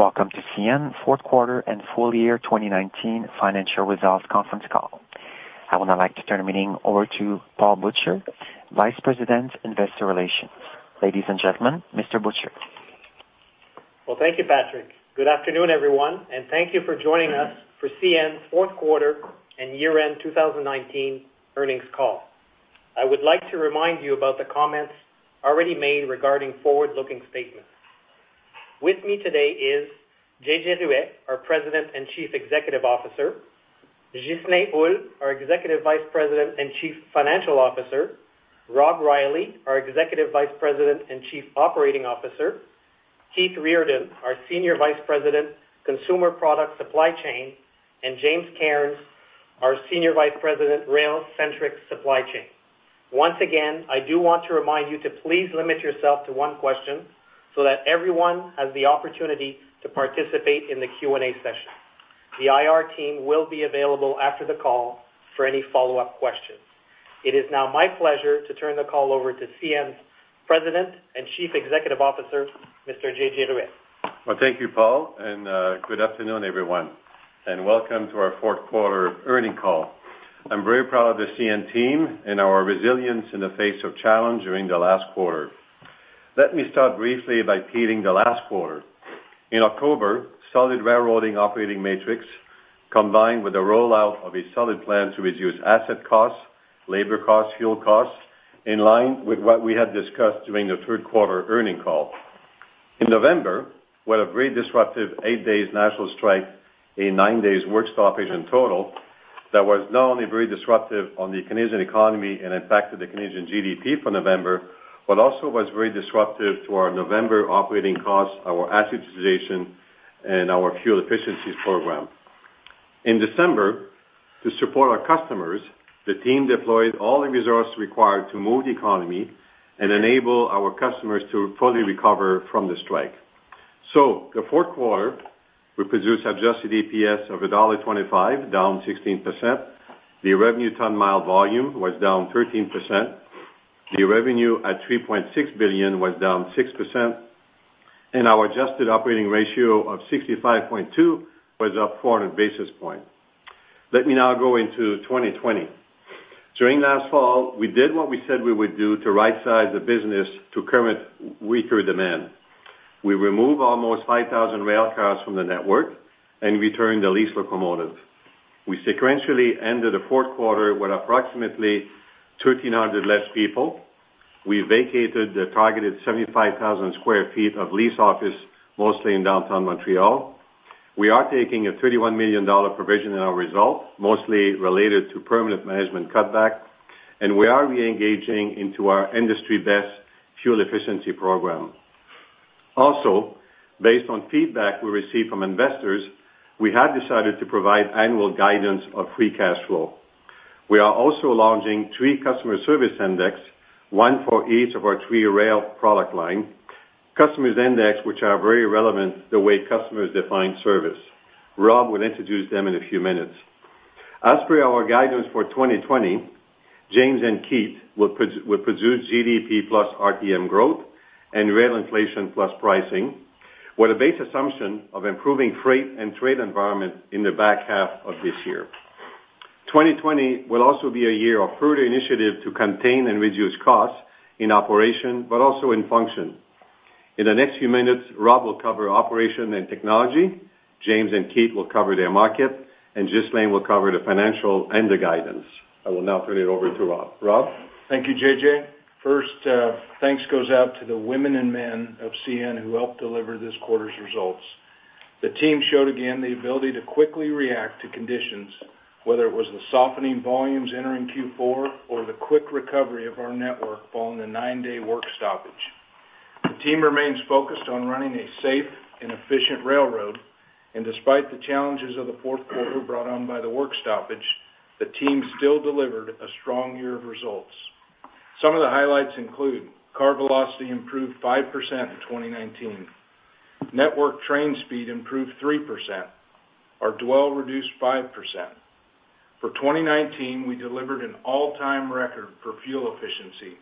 Welcome to CN's fourth quarter and full year 2019 financial results conference call. I would now like to turn the meeting over to Paul Butcher, Vice President, Investor Relations. Ladies and gentlemen, Mr. Butcher. Well, thank you, Patrick. Good afternoon, everyone, and thank you for joining us for CN's fourth quarter and year-end 2019 earnings call. I would like to remind you about the comments already made regarding forward-looking statements. With me today is J.J. Ruest, our President and Chief Executive Officer; Ghislain Houle, our Executive Vice President and Chief Financial Officer; Rob Reilly, our Executive Vice President and Chief Operating Officer; Keith Reardon, our Senior Vice President, Consumer Product Supply Chain; and James Cairns, our Senior Vice President, Rail Centric Supply Chain. Once again, I do want to remind you to please limit yourself to one question so that everyone has the opportunity to participate in the Q&A session. The IR team will be available after the call for any follow-up questions. It is now my pleasure to turn the call over to CN's President and Chief Executive Officer, Mr. J.J. Ruest. Well, thank you, Paul, and good afternoon, everyone, and welcome to our fourth quarter earnings call. I'm very proud of the CN team and our resilience in the face of challenge during the last quarter. Let me start briefly by putting the last quarter. In October, solid railroading operating metrics combined with the rollout of a solid plan to reduce asset costs, labor costs, fuel costs, in line with what we had discussed during the third quarter earnings call. In November, we had a very disruptive 8-day national strike, a 9-day work stoppage in total, that was not only very disruptive on the Canadian economy and impacted the Canadian GDP for November, but also was very disruptive to our November operating costs, our asset utilization, and our fuel efficiency program. In December, to support our customers, the team deployed all the resources required to move the economy and enable our customers to fully recover from the strike. So, the fourth quarter we produced adjusted EPS of $1.25, down 16%. The revenue ton-mile volume was down 13%. The revenue at $3.6 billion was down 6%, and our adjusted operating ratio of 65.2 was up 400 basis points. Let me now go into 2020. During last fall, we did what we said we would do to right-size the business to curb weaker demand. We removed almost 5,000 rail cars from the network and returned the leased locomotives. We sequentially ended the fourth quarter with approximately 1,300 less people. We vacated the targeted 75,000 sq ft of leased office, mostly in downtown Montreal. We are taking a $31 million provision in our results, mostly related to permanent management cutback, and we are re-engaging into our industry-best fuel efficiency program. Also, based on feedback we received from investors, we have decided to provide annual guidance of free cash flow. We are also launching three customer service indices, one for each of our three rail product lines, customer indices which are very relevant to the way customers define service. Rob will introduce them in a few minutes. As per our guidance for 2020, James and Keith will produce GDP plus RTM growth and rail inflation plus pricing, with a base assumption of improving freight and trade environment in the back half of this year. 2020 will also be a year of further initiatives to contain and reduce costs in operations, but also in functions. In the next few minutes, Rob will cover operation and technology, James and Keith will cover their market, and Ghislain will cover the financial and the guidance. I will now turn it over to Rob. Rob? Thank you, J.J. First, thanks goes out to the women and men of CN who helped deliver this quarter's results. The team showed again the ability to quickly react to conditions, whether it was the softening volumes entering Q4 or the quick recovery of our network following the 9-day work stoppage. The team remains focused on running a safe and efficient railroad, and despite the challenges of the fourth quarter brought on by the work stoppage, the team still delivered a strong year of results. Some of the highlights include: car velocity improved 5% in 2019, network train speed improved 3%, our dwell reduced 5%. For 2019, we delivered an all-time record for fuel efficiency,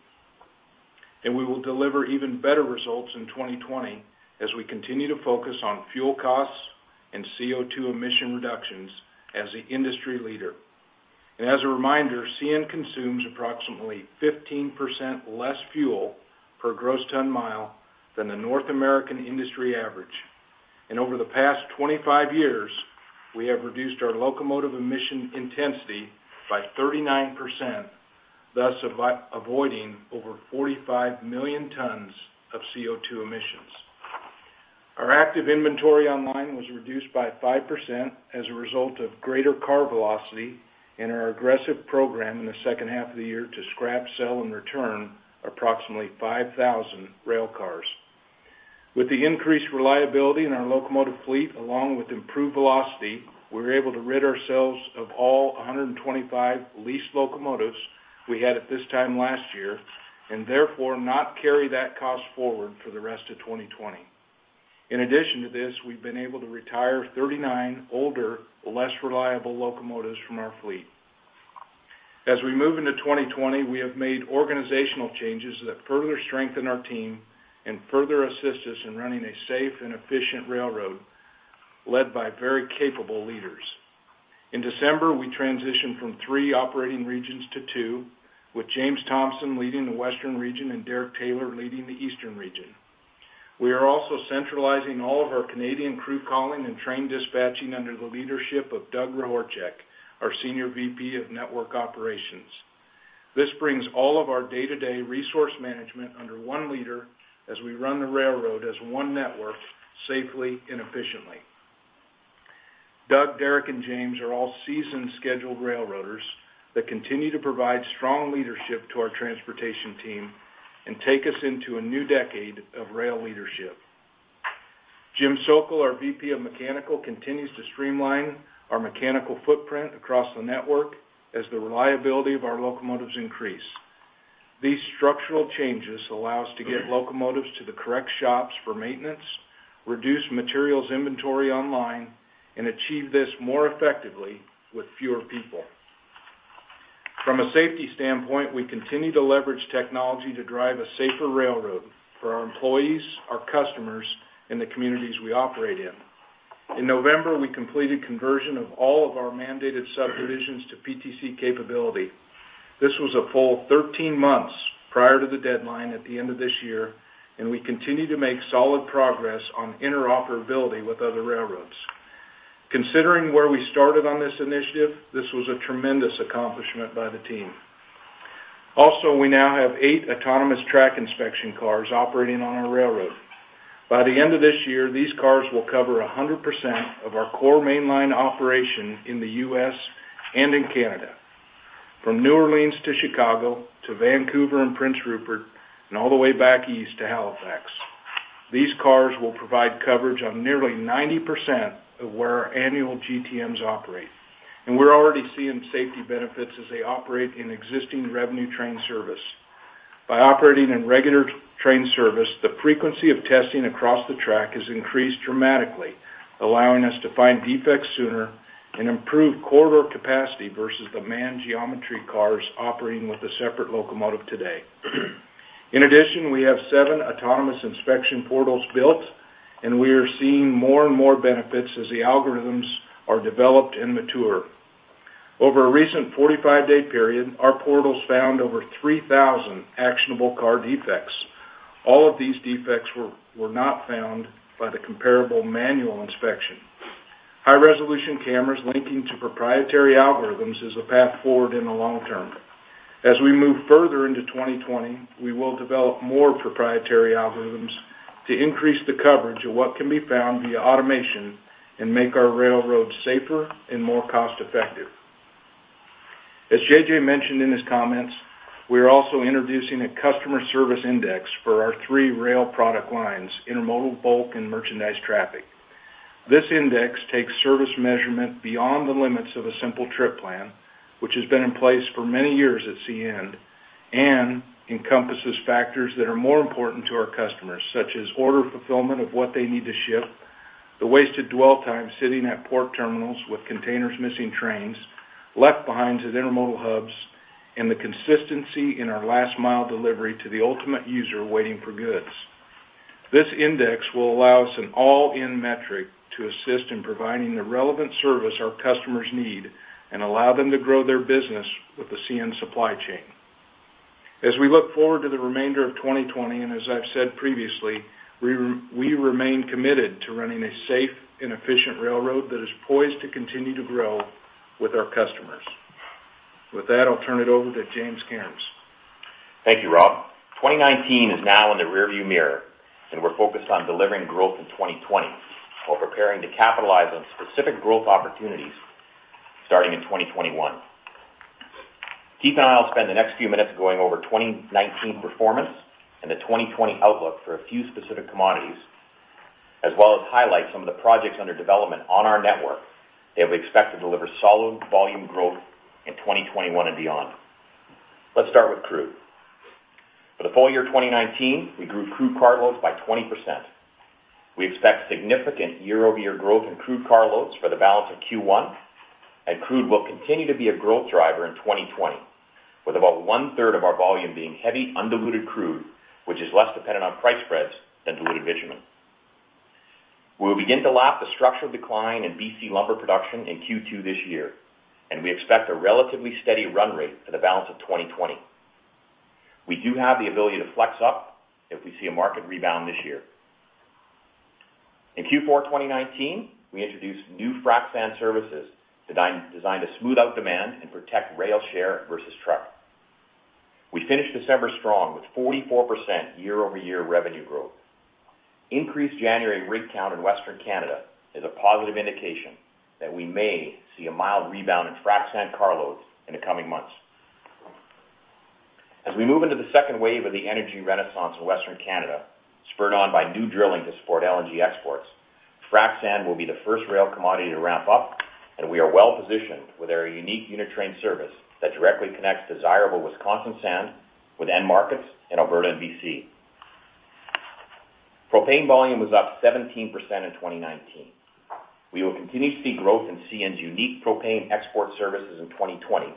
and we will deliver even better results in 2020 as we continue to focus on fuel costs and CO2 emission reductions as the industry leader. As a reminder, CN consumes approximately 15% less fuel per gross ton mile than the North American industry average, and over the past 25 years, we have reduced our locomotive emission intensity by 39%, thus avoiding over 45 million tons of CO2 emissions. Our active inventory online was reduced by 5% as a result of greater car velocity and our aggressive program in the second half of the year to scrap, sell, and return approximately 5,000 rail cars. With the increased reliability in our locomotive fleet, along with improved velocity, we were able to rid ourselves of all 125 leased locomotives we had at this time last year and therefore not carry that cost forward for the rest of 2020. In addition to this, we've been able to retire 39 older, less reliable locomotives from our fleet. As we move into 2020, we have made organizational changes that further strengthen our team and further assist us in running a safe and efficient railroad led by very capable leaders. In December, we transitioned from three operating regions to two, with James Thompson leading the western region and Derek Taylor leading the eastern region. We are also centralizing all of our Canadian crew calling and train dispatching under the leadership of Doug Ryhorchuk, our Senior VP of Network Operations. This brings all of our day-to-day resource management under one leader as we run the railroad as one network safely and efficiently. Doug, Derek, and James are all seasoned scheduled railroaders that continue to provide strong leadership to our transportation team and take us into a new decade of rail leadership. Jim Sokol, our VP of Mechanical, continues to streamline our mechanical footprint across the network as the reliability of our locomotives increases. These structural changes allow us to get locomotives to the correct shops for maintenance, reduce materials inventory online, and achieve this more effectively with fewer people. From a safety standpoint, we continue to leverage technology to drive a safer railroad for our employees, our customers, and the communities we operate in. In November, we completed conversion of all of our mandated subdivisions to PTC capability. This was a full 13 months prior to the deadline at the end of this year, and we continue to make solid progress on interoperability with other railroads. Considering where we started on this initiative, this was a tremendous accomplishment by the team. Also, we now have eight autonomous track inspection cars operating on our railroad. By the end of this year, these cars will cover 100% of our core mainline operation in the U.S. and in Canada, from New Orleans to Chicago to Vancouver and Prince Rupert, and all the way back east to Halifax. These cars will provide coverage on nearly 90% of where our annual GTMs operate, and we're already seeing safety benefits as they operate in existing revenue train service. By operating in regular train service, the frequency of testing across the track has increased dramatically, allowing us to find defects sooner and improve corridor capacity versus the manned geometry cars operating with a separate locomotive today. In addition, we have seven autonomous inspection portals built, and we are seeing more and more benefits as the algorithms are developed and mature. Over a recent 45-day period, our portals found over 3,000 actionable car defects. All of these defects were not found by the comparable manual inspection. High-resolution cameras linking to proprietary algorithms is a path forward in the long term. As we move further into 2020, we will develop more proprietary algorithms to increase the coverage of what can be found via automation and make our railroads safer and more cost-effective. As J.J. mentioned in his comments, we are also introducing a customer service index for our three rail product lines, intermodal bulk and merchandise traffic. This index takes service measurement beyond the limits of a simple trip plan, which has been in place for many years at CN, and encompasses factors that are more important to our customers, such as order fulfillment of what they need to ship, the wasted dwell time sitting at port terminals with containers missing trains, left behind at intermodal hubs, and the consistency in our last-mile delivery to the ultimate user waiting for goods. This index will allow us an all-in metric to assist in providing the relevant service our customers need and allow them to grow their business with the CN supply chain. As we look forward to the remainder of 2020, and as I've said previously, we remain committed to running a safe and efficient railroad that is poised to continue to grow with our customers. With that, I'll turn it over to James Cairns. Thank you, Rob. 2019 is now in the rearview mirror, and we're focused on delivering growth in 2020 while preparing to capitalize on specific growth opportunities starting in 2021. Keith and I will spend the next few minutes going over 2019 performance and the 2020 outlook for a few specific commodities, as well as highlight some of the projects under development on our network that we expect to deliver solid volume growth in 2021 and beyond. Let's start with crude. For the full year 2019, we grew crude car loads by 20%. We expect significant year-over-year growth in crude car loads for the balance of Q1, and crude will continue to be a growth driver in 2020, with about one-third of our volume being heavy undiluted crude, which is less dependent on price spreads than diluted bitumen. We will begin to lap the structural decline in BC lumber production in Q2 this year, and we expect a relatively steady run rate for the balance of 2020. We do have the ability to flex up if we see a market rebound this year. In Q4 2019, we introduced new frac sand services designed to smooth out demand and protect rail share versus truck. We finished December strong with 44% year-over-year revenue growth. Increased January rig count in western Canada is a positive indication that we may see a mild rebound in frac sand car loads in the coming months. As we move into the second wave of the energy renaissance in western Canada, spurred on by new drilling to support LNG exports, frac sand will be the first rail commodity to ramp up, and we are well-positioned with our unique unit train service that directly connects desirable Wisconsin sand with end markets in Alberta and BC. Propane volume was up 17% in 2019. We will continue to see growth in CN's unique propane export services in 2020,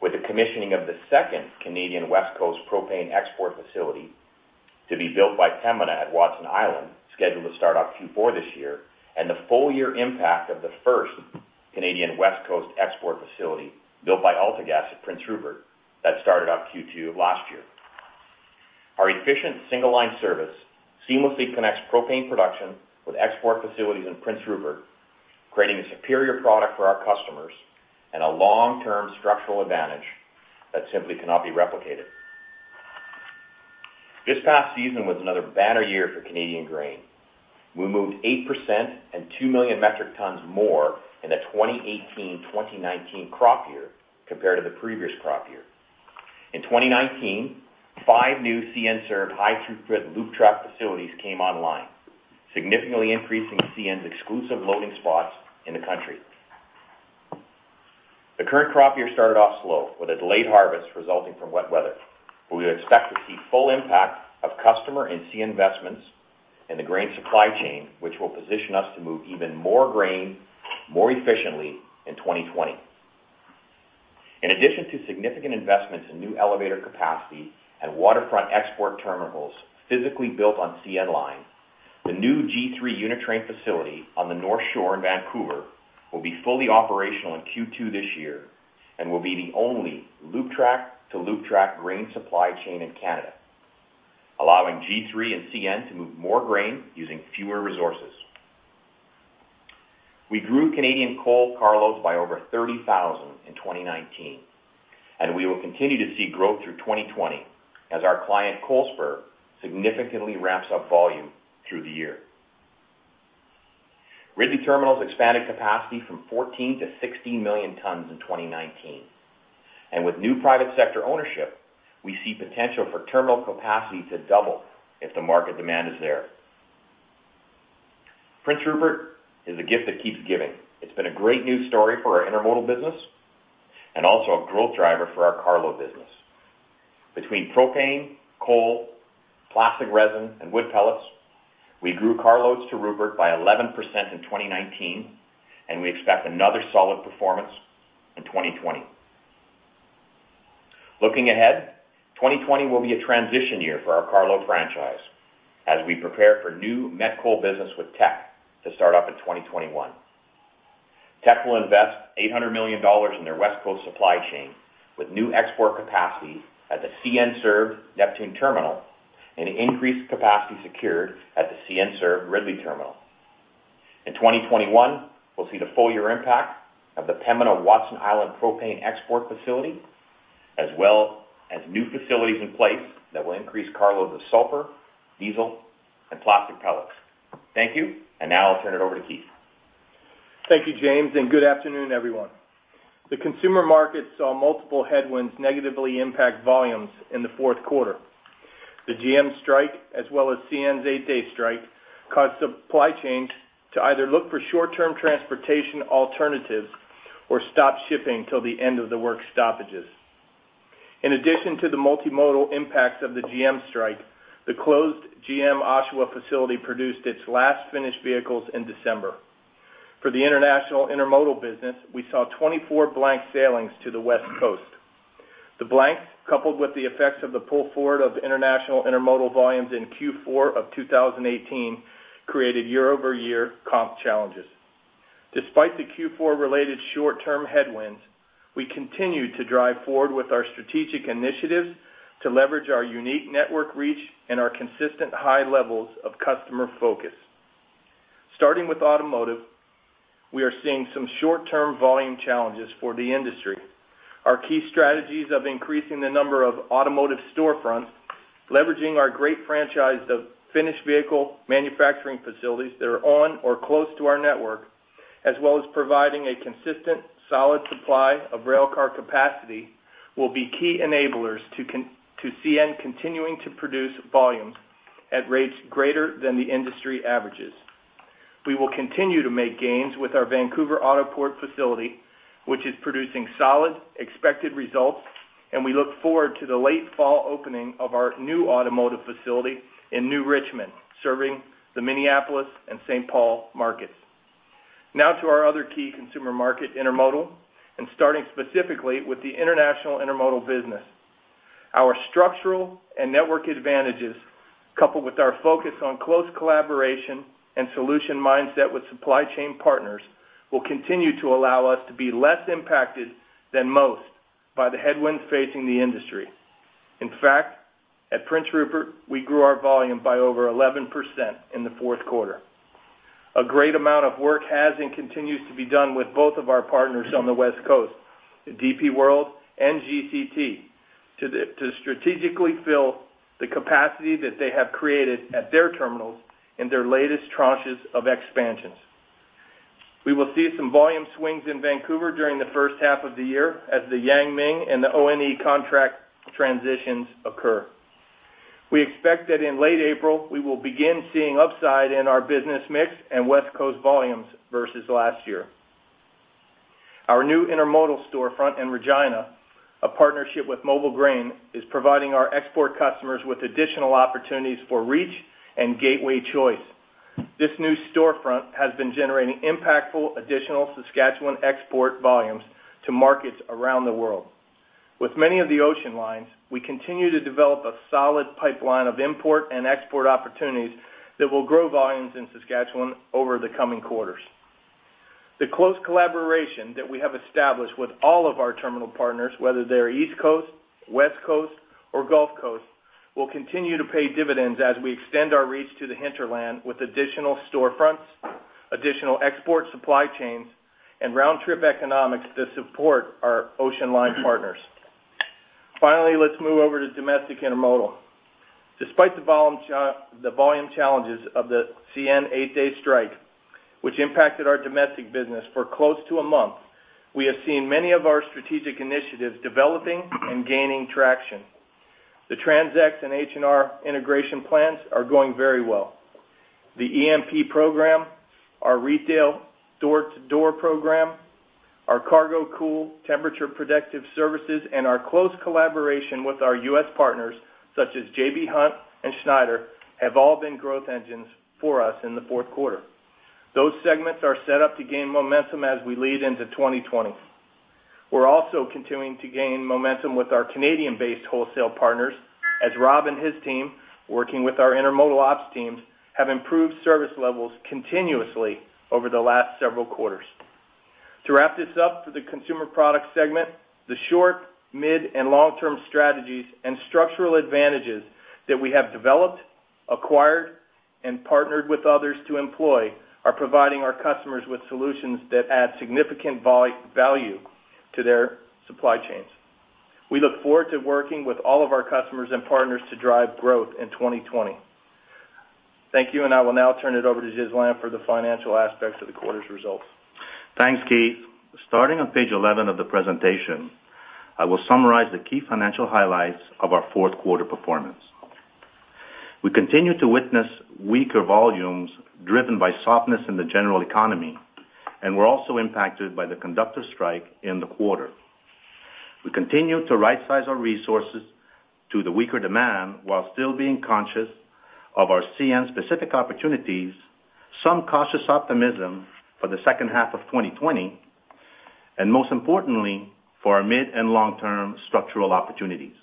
with the commissioning of the second Canadian West Coast propane export facility to be built by Pembina at Watson Island, scheduled to start up Q4 this year, and the full year impact of the first Canadian West Coast export facility built by AltaGas at Prince Rupert that started up Q2 last year. Our efficient single-line service seamlessly connects propane production with export facilities in Prince Rupert, creating a superior product for our customers and a long-term structural advantage that simply cannot be replicated. This past season was another banner year for Canadian grain. We moved 8% and 2 million metric tons more in the 2018-2019 crop year compared to the previous crop year. In 2019, five new CN-served high-throughput loop track facilities came online, significantly increasing CN's exclusive loading spots in the country. The current crop year started off slow, with a delayed harvest resulting from wet weather, but we expect to see full impact of customer and CN investments in the grain supply chain, which will position us to move even more grain more efficiently in 2020. In addition to significant investments in new elevator capacity and waterfront export terminals physically built on CN line, the new G3 unit train facility on the North Shore in Vancouver will be fully operational in Q2 this year and will be the only loop track-to-loop track grain supply chain in Canada, allowing G3 and CN to move more grain using fewer resources. We grew Canadian coal car loads by over 30,000 in 2019, and we will continue to see growth through 2020 as our client Coalspur significantly ramps up volume through the year. Ridley Terminals expanded capacity from 14-16 million tons in 2019, and with new private sector ownership, we see potential for terminal capacity to double if the market demand is there. Prince Rupert is a gift that keeps giving. It's been a great news story for our intermodal business and also a growth driver for our car load business. Between propane, coal, plastic resin, and wood pellets, we grew car loads to Rupert by 11% in 2019, and we expect another solid performance in 2020. Looking ahead, 2020 will be a transition year for our car load franchise as we prepare for new met coal business with Teck to start up in 2021. Teck will invest $800 million in their West Coast supply chain with new export capacity at the CN-served Neptune terminal and increased capacity secured at the CN-served Ridley terminal. In 2021, we'll see the full year impact of the Pembina Watson Island propane export facility, as well as new facilities in place that will increase car loads of sulfur, diesel, and plastic pellets. Thank you, and now I'll turn it over to Keith. Thank you, James, and good afternoon, everyone. The consumer market saw multiple headwinds negatively impact volumes in the fourth quarter. The GM strike, as well as CN's 8-day strike, caused supply chains to either look for short-term transportation alternatives or stop shipping till the end of the work stoppages. In addition to the multimodal impacts of the GM strike, the closed GM Oshawa facility produced its last finished vehicles in December. For the international intermodal business, we saw 24 blank sailings to the West Coast. The blanks, coupled with the effects of the pull forward of international intermodal volumes in Q4 of 2018, created year-over-year comp challenges. Despite the Q4-related short-term headwinds, we continue to drive forward with our strategic initiatives to leverage our unique network reach and our consistent high levels of customer focus. Starting with automotive, we are seeing some short-term volume challenges for the industry. Our key strategy is increasing the number of automotive storefronts, leveraging our great franchise of finished vehicle manufacturing facilities that are on or close to our network, as well as providing a consistent, solid supply of railcar capacity, will be key enablers to CN continuing to produce volumes at rates greater than the industry averages. We will continue to make gains with our Vancouver Autoport facility, which is producing solid expected results, and we look forward to the late fall opening of our new automotive facility in New Richmond, serving the Minneapolis and St. Paul markets. Now to our other key consumer market, intermodal, and starting specifically with the international intermodal business. Our structural and network advantages, coupled with our focus on close collaboration and solution mindset with supply chain partners, will continue to allow us to be less impacted than most by the headwinds facing the industry. In fact, at Prince Rupert, we grew our volume by over 11% in the fourth quarter. A great amount of work has and continues to be done with both of our partners on the West Coast, DP World and GCT, to strategically fill the capacity that they have created at their terminals in their latest tranches of expansions. We will see some volume swings in Vancouver during the first half of the year as the Yang Ming and the ONE contract transitions occur. We expect that in late April, we will begin seeing upside in our business mix and West Coast volumes versus last year. Our new intermodal storefront in Regina, a partnership with MobilGrain, is providing our export customers with additional opportunities for reach and gateway choice. This new storefront has been generating impactful additional Saskatchewan export volumes to markets around the world. With many of the ocean lines, we continue to develop a solid pipeline of import and export opportunities that will grow volumes in Saskatchewan over the coming quarters. The close collaboration that we have established with all of our terminal partners, whether they're East Coast, West Coast, or Gulf Coast, will continue to pay dividends as we extend our reach to the hinterland with additional storefronts, additional export supply chains, and round-trip economics that support our ocean line partners. Finally, let's move over to domestic intermodal. Despite the volume challenges of the CN eight-day strike, which impacted our domestic business for close to a month, we have seen many of our strategic initiatives developing and gaining traction. The TransX and H&R integration plans are going very well. The EMP program, our retail door-to-door program, our CargoCool temperature protective services, and our close collaboration with our U.S. Partners such as J.B. Hunt and Schneider have all been growth engines for us in the fourth quarter. Those segments are set up to gain momentum as we lead into 2020. We're also continuing to gain momentum with our Canadian-based wholesale partners as Rob and his team, working with our intermodal ops teams, have improved service levels continuously over the last several quarters. To wrap this up for the consumer product segment, the short, mid, and long-term strategies and structural advantages that we have developed, acquired, and partnered with others to employ are providing our customers with solutions that add significant value to their supply chains. We look forward to working with all of our customers and partners to drive growth in 2020. Thank you, and I will now turn it over to Ghislain for the financial aspects of the quarter's results. Thanks, Keith. Starting on page 11 of the presentation, I will summarize the key financial highlights of our fourth quarter performance. We continue to witness weaker volumes driven by softness in the general economy, and we're also impacted by the conductor strike in the quarter. We continue to right-size our resources to the weaker demand while still being conscious of our CN-specific opportunities, some cautious optimism for the second half of 2020, and most importantly, for our mid and long-term structural opportunities.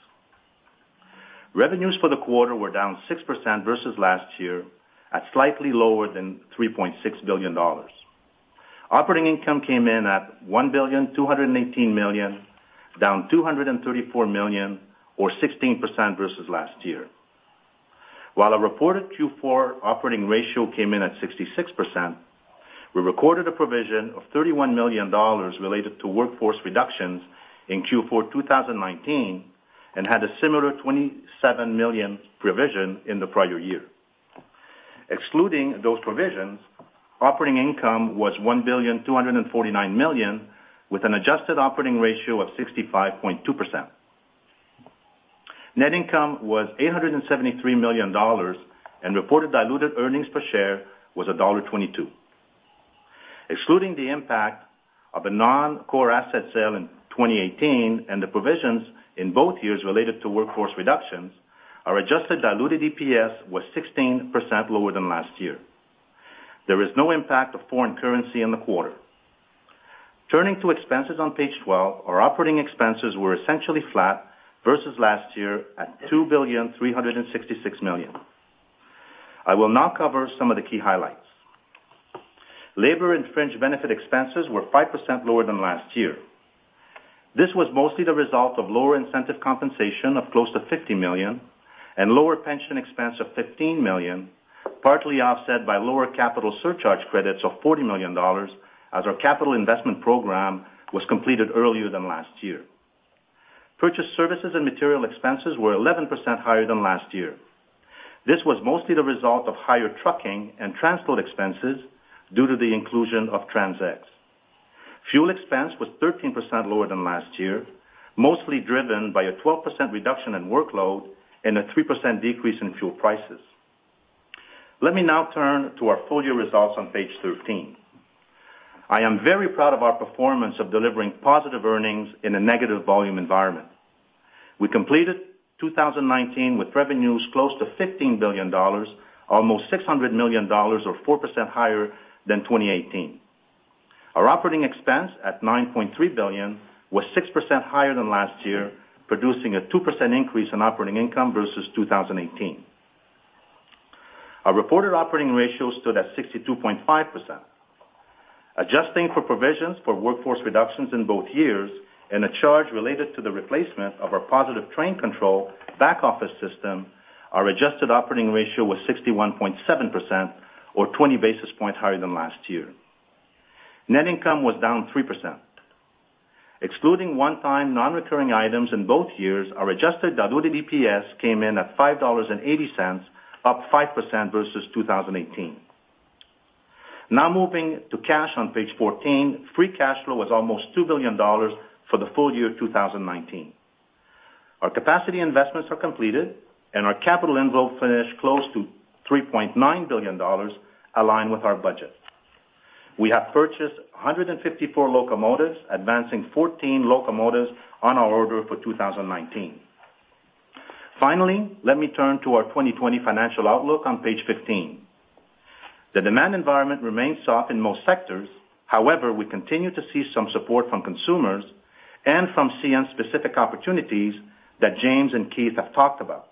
Revenues for the quarter were down 6% versus last year at slightly lower than $3.6 billion. Operating income came in at $1,218 million, down $234 million, or 16% versus last year. While a reported Q4 operating ratio came in at 66%, we recorded a provision of $31 million related to workforce reductions in Q4 2019 and had a similar $27 million provision in the prior year. Excluding those provisions, operating income was $1,249 million, with an adjusted operating ratio of 65.2%. Net income was $873 million, and reported diluted earnings per share was $1.22. Excluding the impact of a non-core asset sale in 2018 and the provisions in both years related to workforce reductions, our adjusted diluted EPS was 16% lower than last year. There is no impact of foreign currency in the quarter. Turning to expenses on page 12, our operating expenses were essentially flat versus last year at $2,366 million. I will now cover some of the key highlights. Labor and fringe benefit expenses were 5% lower than last year. This was mostly the result of lower incentive compensation of close to $50 million and lower pension expense of $15 million, partly offset by lower capital surcharge credits of $40 million as our capital investment program was completed earlier than last year. Purchase services and material expenses were 11% higher than last year. This was mostly the result of higher trucking and transport expenses due to the inclusion of TransX. Fuel expense was 13% lower than last year, mostly driven by a 12% reduction in workload and a 3% decrease in fuel prices. Let me now turn to our full year results on page 13. I am very proud of our performance of delivering positive earnings in a negative volume environment. We completed 2019 with revenues close to 15 billion dollars, almost 600 million dollars, or 4% higher than 2018. Our operating expense at 9.3 billion was 6% higher than last year, producing a 2% increase in operating income versus 2018. Our reported operating ratio stood at 62.5%. Adjusting for provisions for workforce reductions in both years and a charge related to the replacement of our positive train control back office system, our adjusted operating ratio was 61.7%, or 20 basis points higher than last year. Net income was down 3%. Excluding one-time non-recurring items in both years, our adjusted diluted EPS came in at $5.80, up 5% versus 2018. Now moving to cash on page 14, free cash flow was almost $2 billion for the full year 2019. Our capacity investments are completed, and our capital envelope finished close to $3.9 billion, aligned with our budget. We have purchased 154 locomotives, advancing 14 locomotives on our order for 2019. Finally, let me turn to our 2020 financial outlook on page 15. The demand environment remains soft in most sectors. However, we continue to see some support from consumers and from CN-specific opportunities that James and Keith have talked about.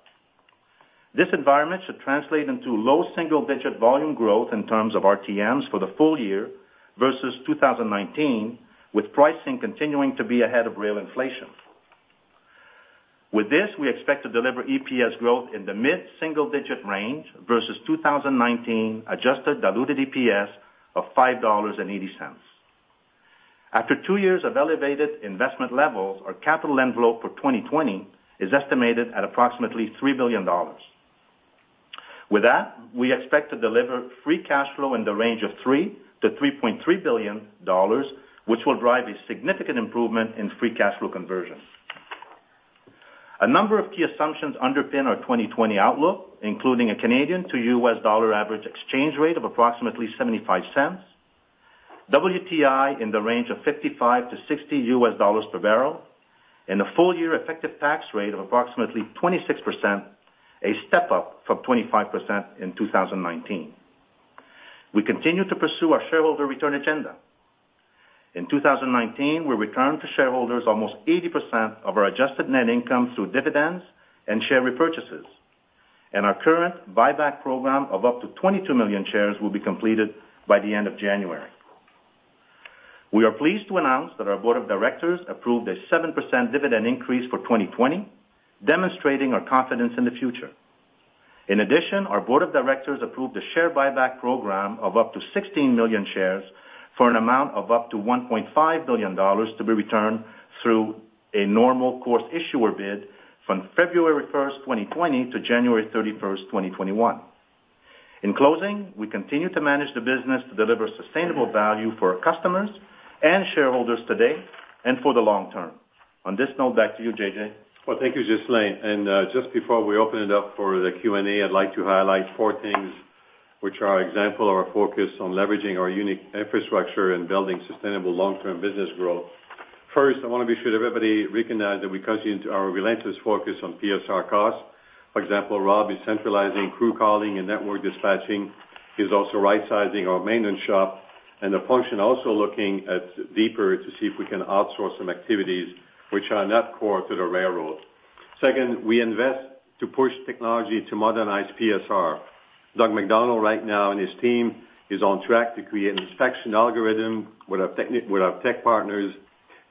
This environment should translate into low single-digit volume growth in terms of RTMs for the full year versus 2019, with pricing continuing to be ahead of real inflation. With this, we expect to deliver EPS growth in the mid-single-digit range versus 2019 adjusted diluted EPS of $5.80. After two years of elevated investment levels, our capital envelope for 2020 is estimated at approximately $3 billion. With that, we expect to deliver free cash flow in the range of $3-$3.3 billion, which will drive a significant improvement in free cash flow conversion. A number of key assumptions underpin our 2020 outlook, including a Canadian to U.S. dollar average exchange rate of approximately $0.75, WTI in the range of $55-$60 per barrel, and a full year effective tax rate of approximately 26%, a step up from 25% in 2019. We continue to pursue our shareholder return agenda. In 2019, we returned to shareholders almost 80% of our adjusted net income through dividends and share repurchases, and our current buyback program of up to 22 million shares will be completed by the end of January. We are pleased to announce that our board of directors approved a 7% dividend increase for 2020, demonstrating our confidence in the future. In addition, our board of directors approved a share buyback program of up to 16 million shares for an amount of up to 1.5 billion dollars to be returned through a normal course issuer bid from February 1st, 2020, to January 31st, 2021. In closing, we continue to manage the business to deliver sustainable value for our customers and shareholders today and for the long term. On this note, back to you, J.J. Well, thank you, Ghislain. And just before we open it up for the Q&A, I'd like to highlight four things which are an example of our focus on leveraging our unique infrastructure and building sustainable long-term business growth. First, I want to be sure everybody recognizes that we continue to have a relentless focus on PSR costs. For example, Rob is centralizing crew calling and network dispatching. He's also right-sizing our maintenance shop and the function, also looking deeper to see if we can outsource some activities which are not core to the railroad. Second, we invest to push technology to modernize PSR. Doug MacDonald right now and his team is on track to create an inspection algorithm with our tech partners,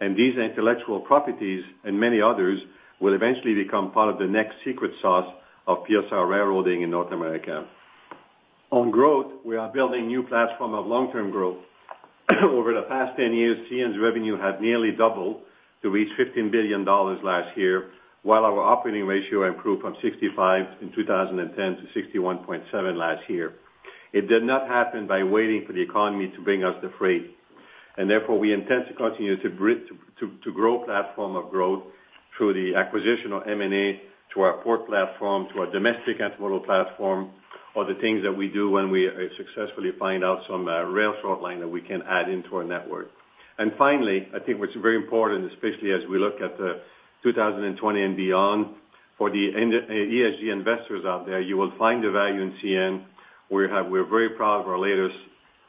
and these intellectual properties and many others will eventually become part of the next secret sauce of PSR railroading in North America. On growth, we are building a new platform of long-term growth. Over the past 10 years, CN's revenue had nearly doubled to reach 15 billion dollars last year, while our operating ratio improved from 65 in 2010 to 61.7 last year. It did not happen by waiting for the economy to bring us the freight. And therefore, we intend to continue to grow the platform of growth through the acquisition of M&A to our port platform, to our domestic intermodal platform, or the things that we do when we successfully find out some rail short line that we can add into our network. And finally, I think what's very important, especially as we look at 2020 and beyond, for the ESG investors out there, you will find the value in CN. We're very proud of our latest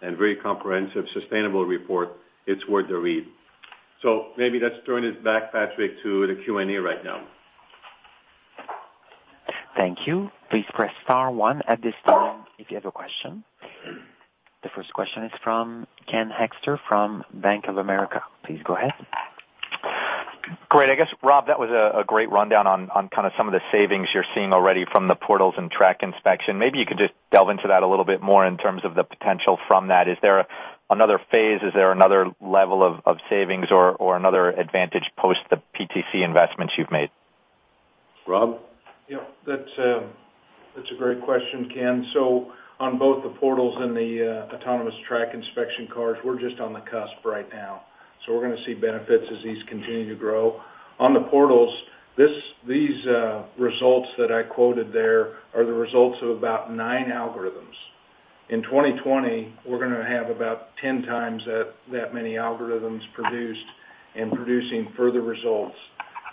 and very comprehensive sustainable report. It's worth the read. Maybe let's turn it back, Patrick, to the Q&A right now. Thank you. Please press star one at this time if you have a question. The first question is from Ken Hoexter from Bank of America. Please go ahead. Great. I guess, Rob, that was a great rundown on kind of some of the savings you're seeing already from the portals and track inspection. Maybe you could just delve into that a little bit more in terms of the potential from that. Is there another phase? Is there another level of savings or another advantage post the PTC investments you've made? Rob? Yeah, that's a great question, Ken. So on both the portals and the autonomous track inspection cars, we're just on the cusp right now. So we're going to see benefits as these continue to grow. On the portals, these results that I quoted there are the results of about 9 algorithms. In 2020, we're going to have about 10 times that many algorithms produced and producing further results.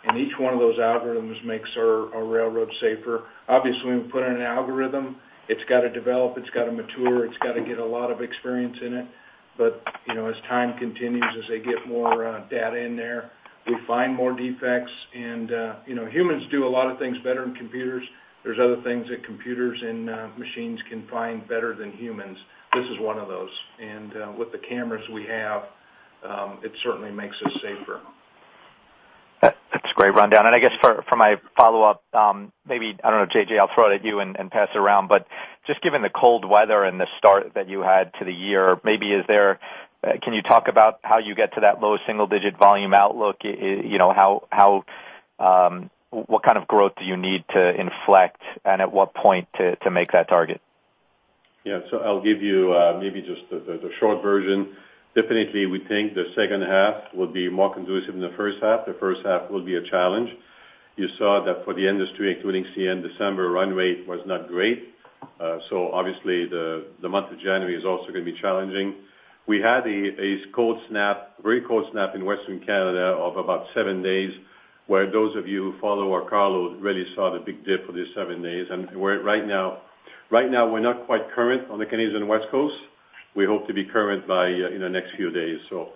And each one of those algorithms makes our railroad safer. Obviously, when we put in an algorithm, it's got to develop, it's got to mature, it's got to get a lot of experience in it. But as time continues, as they get more data in there, we find more defects. And humans do a lot of things better in computers. There's other things that computers and machines can find better than humans. This is one of those. With the cameras we have, it certainly makes us safer. That's a great rundown. And I guess for my follow-up, maybe, I don't know, J.J., I'll throw it at you and pass it around. But just given the cold weather and the start that you had to the year, maybe can you talk about how you get to that low single-digit volume outlook? What kind of growth do you need to inflect, and at what point to make that target? Yeah, so I'll give you maybe just the short version. Definitely, we think the second half will be more conducive than the first half. The first half will be a challenge. You saw that for the industry, including CN, December run rate was not great. So obviously, the month of January is also going to be challenging. We had a cold snap, very cold snap in Western Canada of about seven days, where those of you who follow our carload really saw the big dip for these seven days. And right now, we're not quite current on the Canadian West Coast. We hope to be current by the next few days. So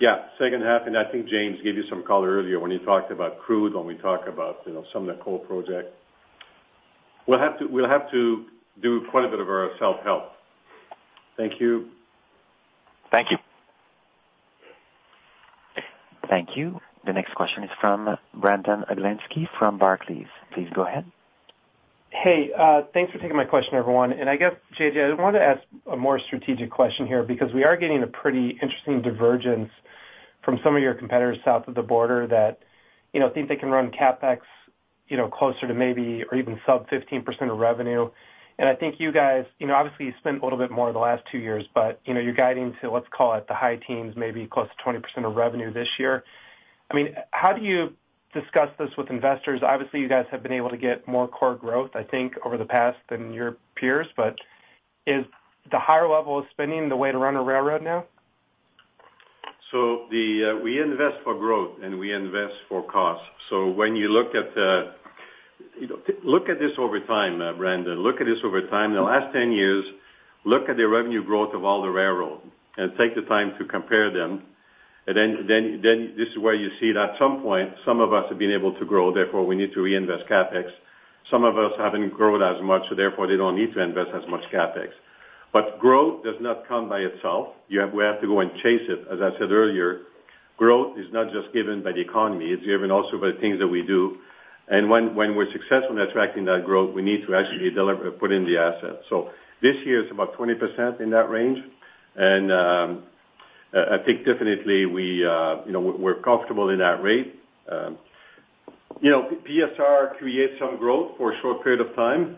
yeah, second half, and I think James gave you some color earlier when he talked about crude when we talk about some of the coal project. We'll have to do quite a bit of our self-help. Thank you. Thank you. Thank you. The next question is from Brandon Oglenski from Barclays. Please go ahead. Hey, thanks for taking my question, everyone. I guess, J.J., I wanted to ask a more strategic question here because we are getting a pretty interesting divergence from some of your competitors south of the border that think they can run CapEx closer to maybe or even sub 15% of revenue. I think you guys, obviously, you spent a little bit more the last two years, but you're guiding to, let's call it, the high teens, maybe close to 20% of revenue this year. I mean, how do you discuss this with investors? Obviously, you guys have been able to get more core growth, I think, over the past than your peers, but is the higher level of spending the way to run a railroad now? So we invest for growth, and we invest for cost. So when you look at this over time, Brandon, look at this over time, the last 10 years, look at the revenue growth of all the railroad and take the time to compare them. And then this is where you see that at some point, some of us have been able to grow. Therefore, we need to reinvest CapEx. Some of us haven't grown as much, so therefore, they don't need to invest as much CapEx. But growth does not come by itself. We have to go and chase it. As I said earlier, growth is not just given by the economy. It's given also by the things that we do. And when we're successful in attracting that growth, we need to actually put in the assets. So this year is about 20% in that range. I think definitely we're comfortable in that rate. PSR creates some growth for a short period of time,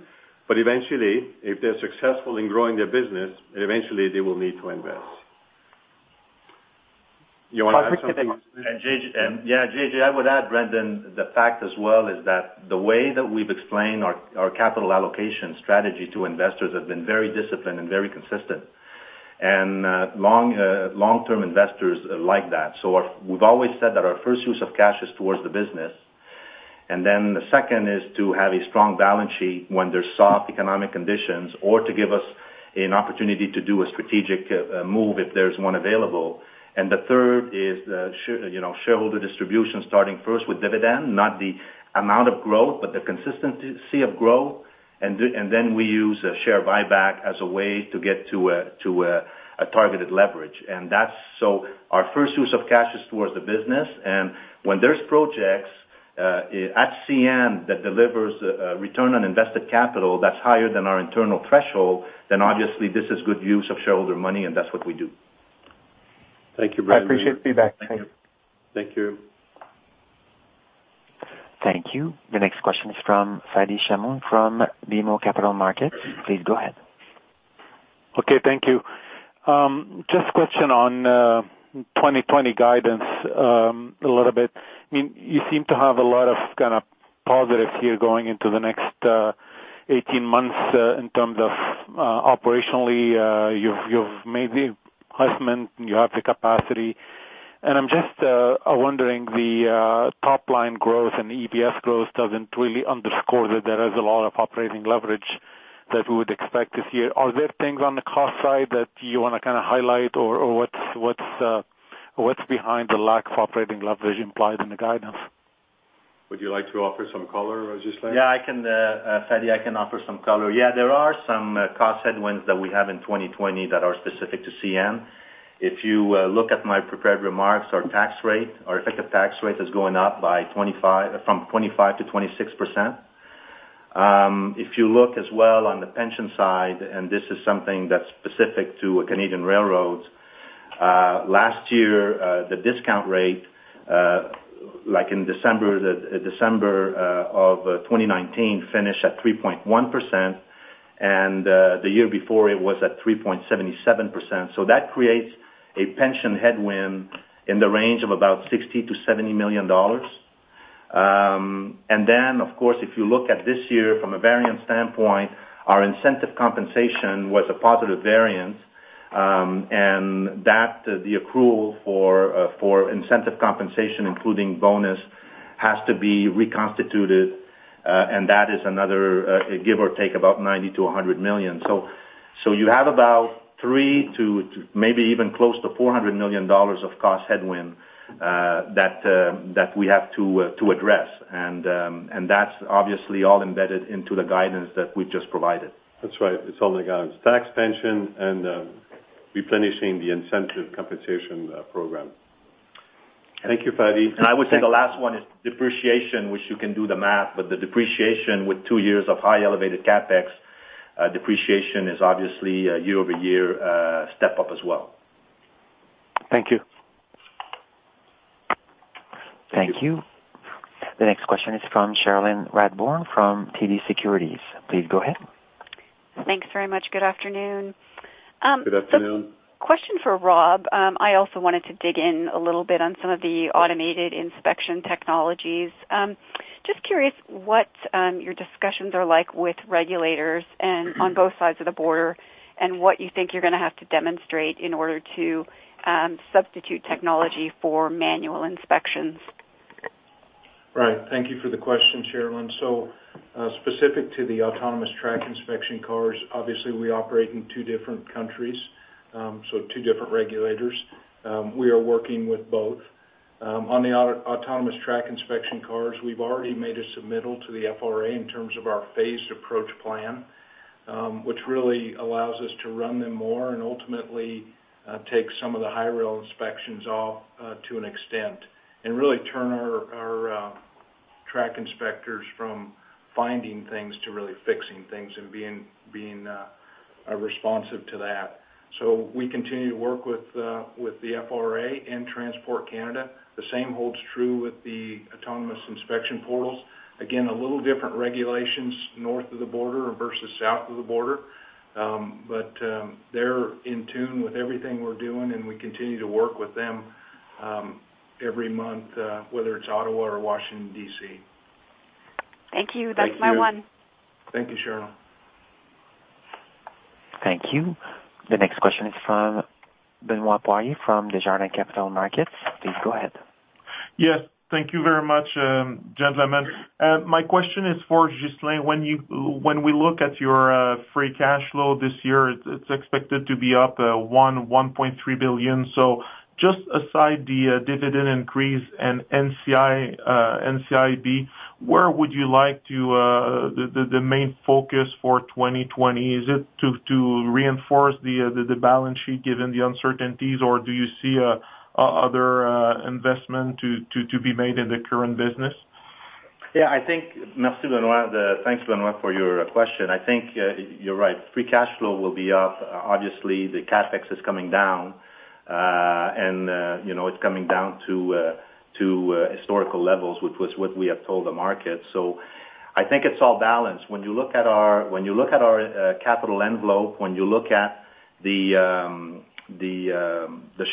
but eventually, if they're successful in growing their business, eventually they will need to invest. Patrick, can I? Yeah, J.J., I would add, Brandon, the fact as well is that the way that we've explained our capital allocation strategy to investors has been very disciplined and very consistent. Long-term investors like that. We've always said that our first use of cash is towards the business. Then the second is to have a strong balance sheet when there's soft economic conditions or to give us an opportunity to do a strategic move if there's one available. The third is shareholder distribution starting first with dividend, not the amount of growth, but the consistency of growth. Then we use share buyback as a way to get to a targeted leverage. So our first use of cash is towards the business. When there's projects at CN that deliver return on invested capital that's higher than our internal threshold, then obviously this is good use of shareholder money, and that's what we do. Thank you, Brandon. I appreciate the feedback. Thank you. Thank you. Thank you. The next question is from Fadi Chamoun from BMO Capital Markets. Please go ahead. Okay, thank you. Just a question on 2020 guidance a little bit. I mean, you seem to have a lot of kind of positives here going into the next 18 months in terms of operationally. You've made the investment. You have the capacity. And I'm just wondering, the top-line growth and EPS growth doesn't really underscore that there is a lot of operating leverage that we would expect this year. Are there things on the cost side that you want to kind of highlight, or what's behind the lack of operating leverage implied in the guidance? Would you like to offer some color, Ghislain? Yeah, Fadi, I can offer some color. Yeah, there are some cost headwinds that we have in 2020 that are specific to CN. If you look at my prepared remarks, our effective tax rate is going up from 25%-26%. If you look as well on the pension side, and this is something that's specific to Canadian railroads, last year, the discount rate, like in December 2019, finished at 3.1%, and the year before it was at 3.77%. So that creates a pension headwind in the range of about $60 million-$70 million. And then, of course, if you look at this year from a variance standpoint, our incentive compensation was a positive variance. And the accrual for incentive compensation, including bonus, has to be reconstituted. And that is another give or take about $90 million-$100 million. You have about $3 million to maybe even close to $400 million of cost headwind that we have to address. That's obviously all embedded into the guidance that we've just provided. That's right. It's all in the guidance. Tax, pension, and replenishing the incentive compensation program. Thank you, Fadi. I would say the last one is depreciation, which you can do the math, but the depreciation with 2 years of high elevated CapEx depreciation is obviously a year-over-year step-up as well. Thank you. Thank you. The next question is from Cherilyn Radbourne from TD Securities. Please go ahead. Thanks very much. Good afternoon. Good afternoon. Question for Rob. I also wanted to dig in a little bit on some of the automated inspection technologies. Just curious what your discussions are like with regulators on both sides of the border and what you think you're going to have to demonstrate in order to substitute technology for manual inspections? Right. Thank you for the question, Cherilyn. So specific to the autonomous track inspection cars, obviously we operate in two different countries, so two different regulators. We are working with both. On the autonomous track inspection cars, we've already made a submittal to the FRA in terms of our phased approach plan, which really allows us to run them more and ultimately take some of the hi-rail inspections off to an extent and really turn our track inspectors from finding things to really fixing things and being responsive to that. So we continue to work with the FRA and Transport Canada. The same holds true with the autonomous inspection portals. Again, a little different regulations north of the border versus south of the border. But they're in tune with everything we're doing, and we continue to work with them every month, whether it's Ottawa or Washington, D.C. Thank you. That's my one. Thank you, Cherilyn. Thank you. The next question is from Benoit Poirier from Desjardins Capital Markets. Please go ahead. Yes. Thank you very much, gentlemen. My question is for Ghislain. When we look at your free cash flow this year, it's expected to be up 1.3 billion. So just aside the dividend increase and NCIB, where would you like the main focus for 2020? Is it to reinforce the balance sheet given the uncertainties, or do you see other investment to be made in the current business? Yeah, I think thanks, Benoit, for your question. I think you're right. Free cash flow will be up. Obviously, the CapEx is coming down, and it's coming down to historical levels, which was what we have told the market. So I think it's all balanced. When you look at our capital envelope, when you look at the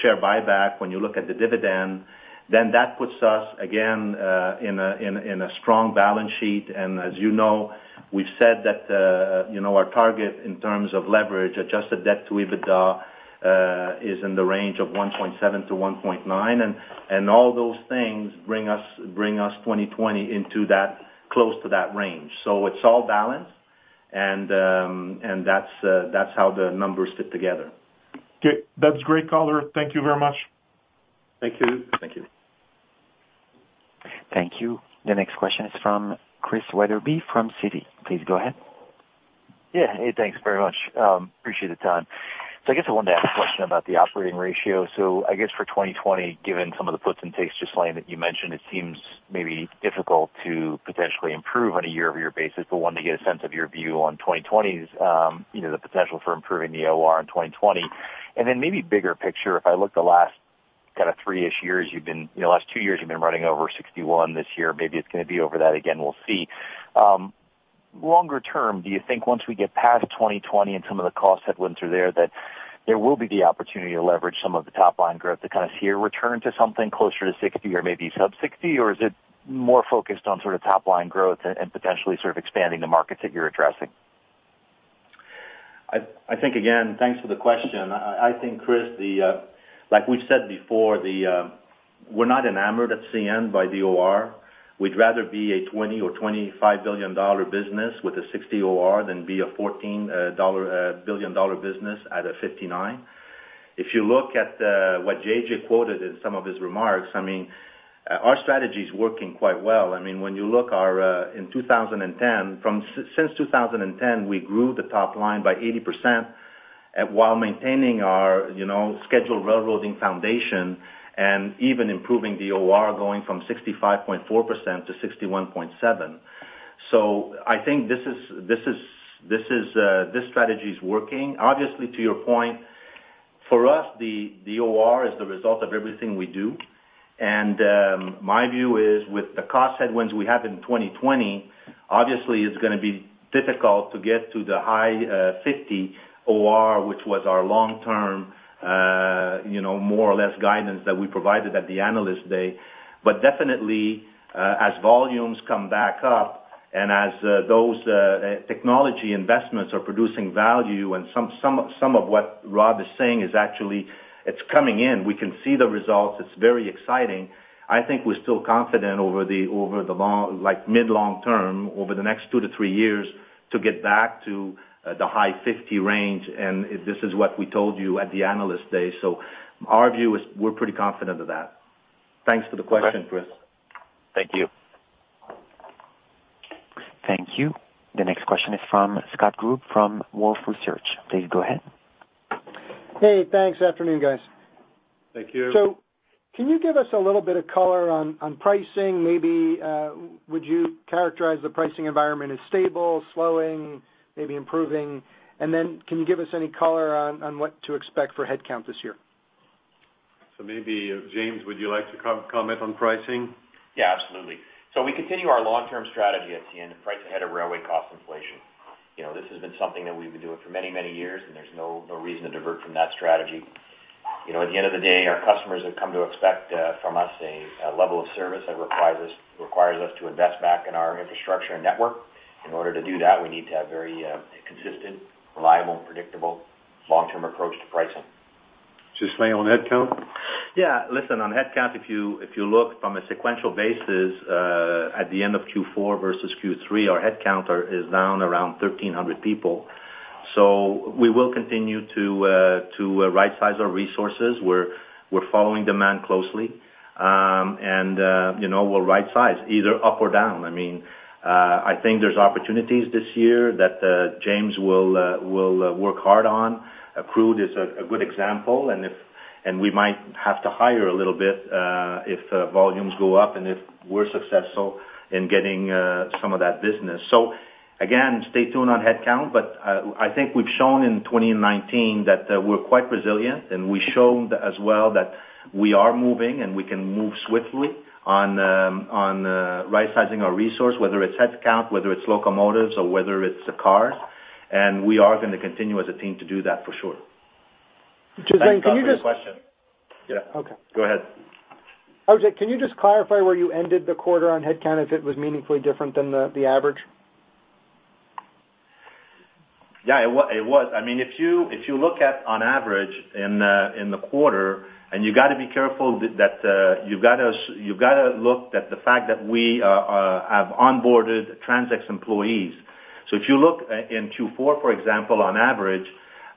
share buyback, when you look at the dividend, then that puts us, again, in a strong balance sheet. And as you know, we've said that our target in terms of leverage, adjusted debt to EBITDA, is in the range of 1.7-1.9. And all those things bring us 2020 into that close to that range. So it's all balanced, and that's how the numbers fit together. That's great color. Thank you very much. Thank you. Thank you. Thank you. The next question is from Chris Wetherbee from Citi. Please go ahead. Yeah. Hey, thanks very much. Appreciate the time. So I guess I wanted to ask a question about the operating ratio. So I guess for 2020, given some of the puts and takes Ghislain that you mentioned, it seems maybe difficult to potentially improve on a year-over-year basis, but wanted to get a sense of your view on 2020's the potential for improving the OR in 2020. And then maybe bigger picture, if I look the last kind of three-ish years you've been the last two years you've been running over 61%. This year, maybe it's going to be over that again. We'll see. Longer term, do you think once we get past 2020 and some of the cost headwinds are there, that there will be the opportunity to leverage some of the top-line growth to kind of see a return to something closer to 60 or maybe sub 60, or is it more focused on sort of top-line growth and potentially sort of expanding the markets that you're addressing? I think, again, thanks for the question. I think, Chris, like we've said before, we're not enamored at CN by the OR. We'd rather be a $20 billion or $25 billion-dollar business with a 60 OR than be a $14 billion-dollar business at a 59. If you look at what J.J. quoted in some of his remarks, I mean, our strategy is working quite well. I mean, when you look in 2010, since 2010, we grew the top line by 80% while maintaining our scheduled railroading foundation and even improving the OR going from 65.4% to 61.7%. So I think this strategy is working. Obviously, to your point, for us, the OR is the result of everything we do. My view is with the cost headwinds we have in 2020, obviously it's going to be difficult to get to the high 50 OR, which was our long-term more or less guidance that we provided at the analyst day. But definitely, as volumes come back up and as those technology investments are producing value and some of what Rob is saying is actually it's coming in, we can see the results. It's very exciting. I think we're still confident over the mid-long term, over the next 2 to 3 years, to get back to the high 50 range. And this is what we told you at the analyst day. So our view is we're pretty confident of that. Thanks for the question, Chris. Thank you. Thank you. The next question is from Scott Group from Wolfe Research. Please go ahead. Hey, thanks. Good afternoon, guys. Thank you. So can you give us a little bit of color on pricing? Maybe would you characterize the pricing environment as stable, slowing, maybe improving? And then can you give us any color on what to expect for headcount this year? Maybe James, would you like to comment on pricing? Yeah, absolutely. We continue our long-term strategy at CN to price ahead of railway cost inflation. This has been something that we've been doing for many, many years, and there's no reason to divert from that strategy. At the end of the day, our customers have come to expect from us a level of service that requires us to invest back in our infrastructure and network. In order to do that, we need to have a very consistent, reliable, predictable long-term approach to pricing. Ghislain on headcount? Yeah. Listen, on headcount, if you look from a sequential basis, at the end of Q4 versus Q3, our headcount is down around 1,300 people. So we will continue to right-size our resources. We're following demand closely, and we'll right-size either up or down. I mean, I think there's opportunities this year that James will work hard on. Accrued is a good example, and we might have to hire a little bit if volumes go up and if we're successful in getting some of that business. So again, stay tuned on headcount, but I think we've shown in 2019 that we're quite resilient, and we've shown as well that we are moving and we can move swiftly on right-sizing our resource, whether it's headcount, whether it's locomotives, or whether it's cars. And we are going to continue as a team to do that for sure. Ghislain, can you just. Can I ask a question? Yeah. Okay. Go ahead. Oh, can you just clarify where you ended the quarter on headcount if it was meaningfully different than the average? Yeah, it was. I mean, if you look at on average in the quarter, and you've got to be careful that you've got to look at the fact that we have onboarded TransX employees. So if you look in Q4, for example, on average,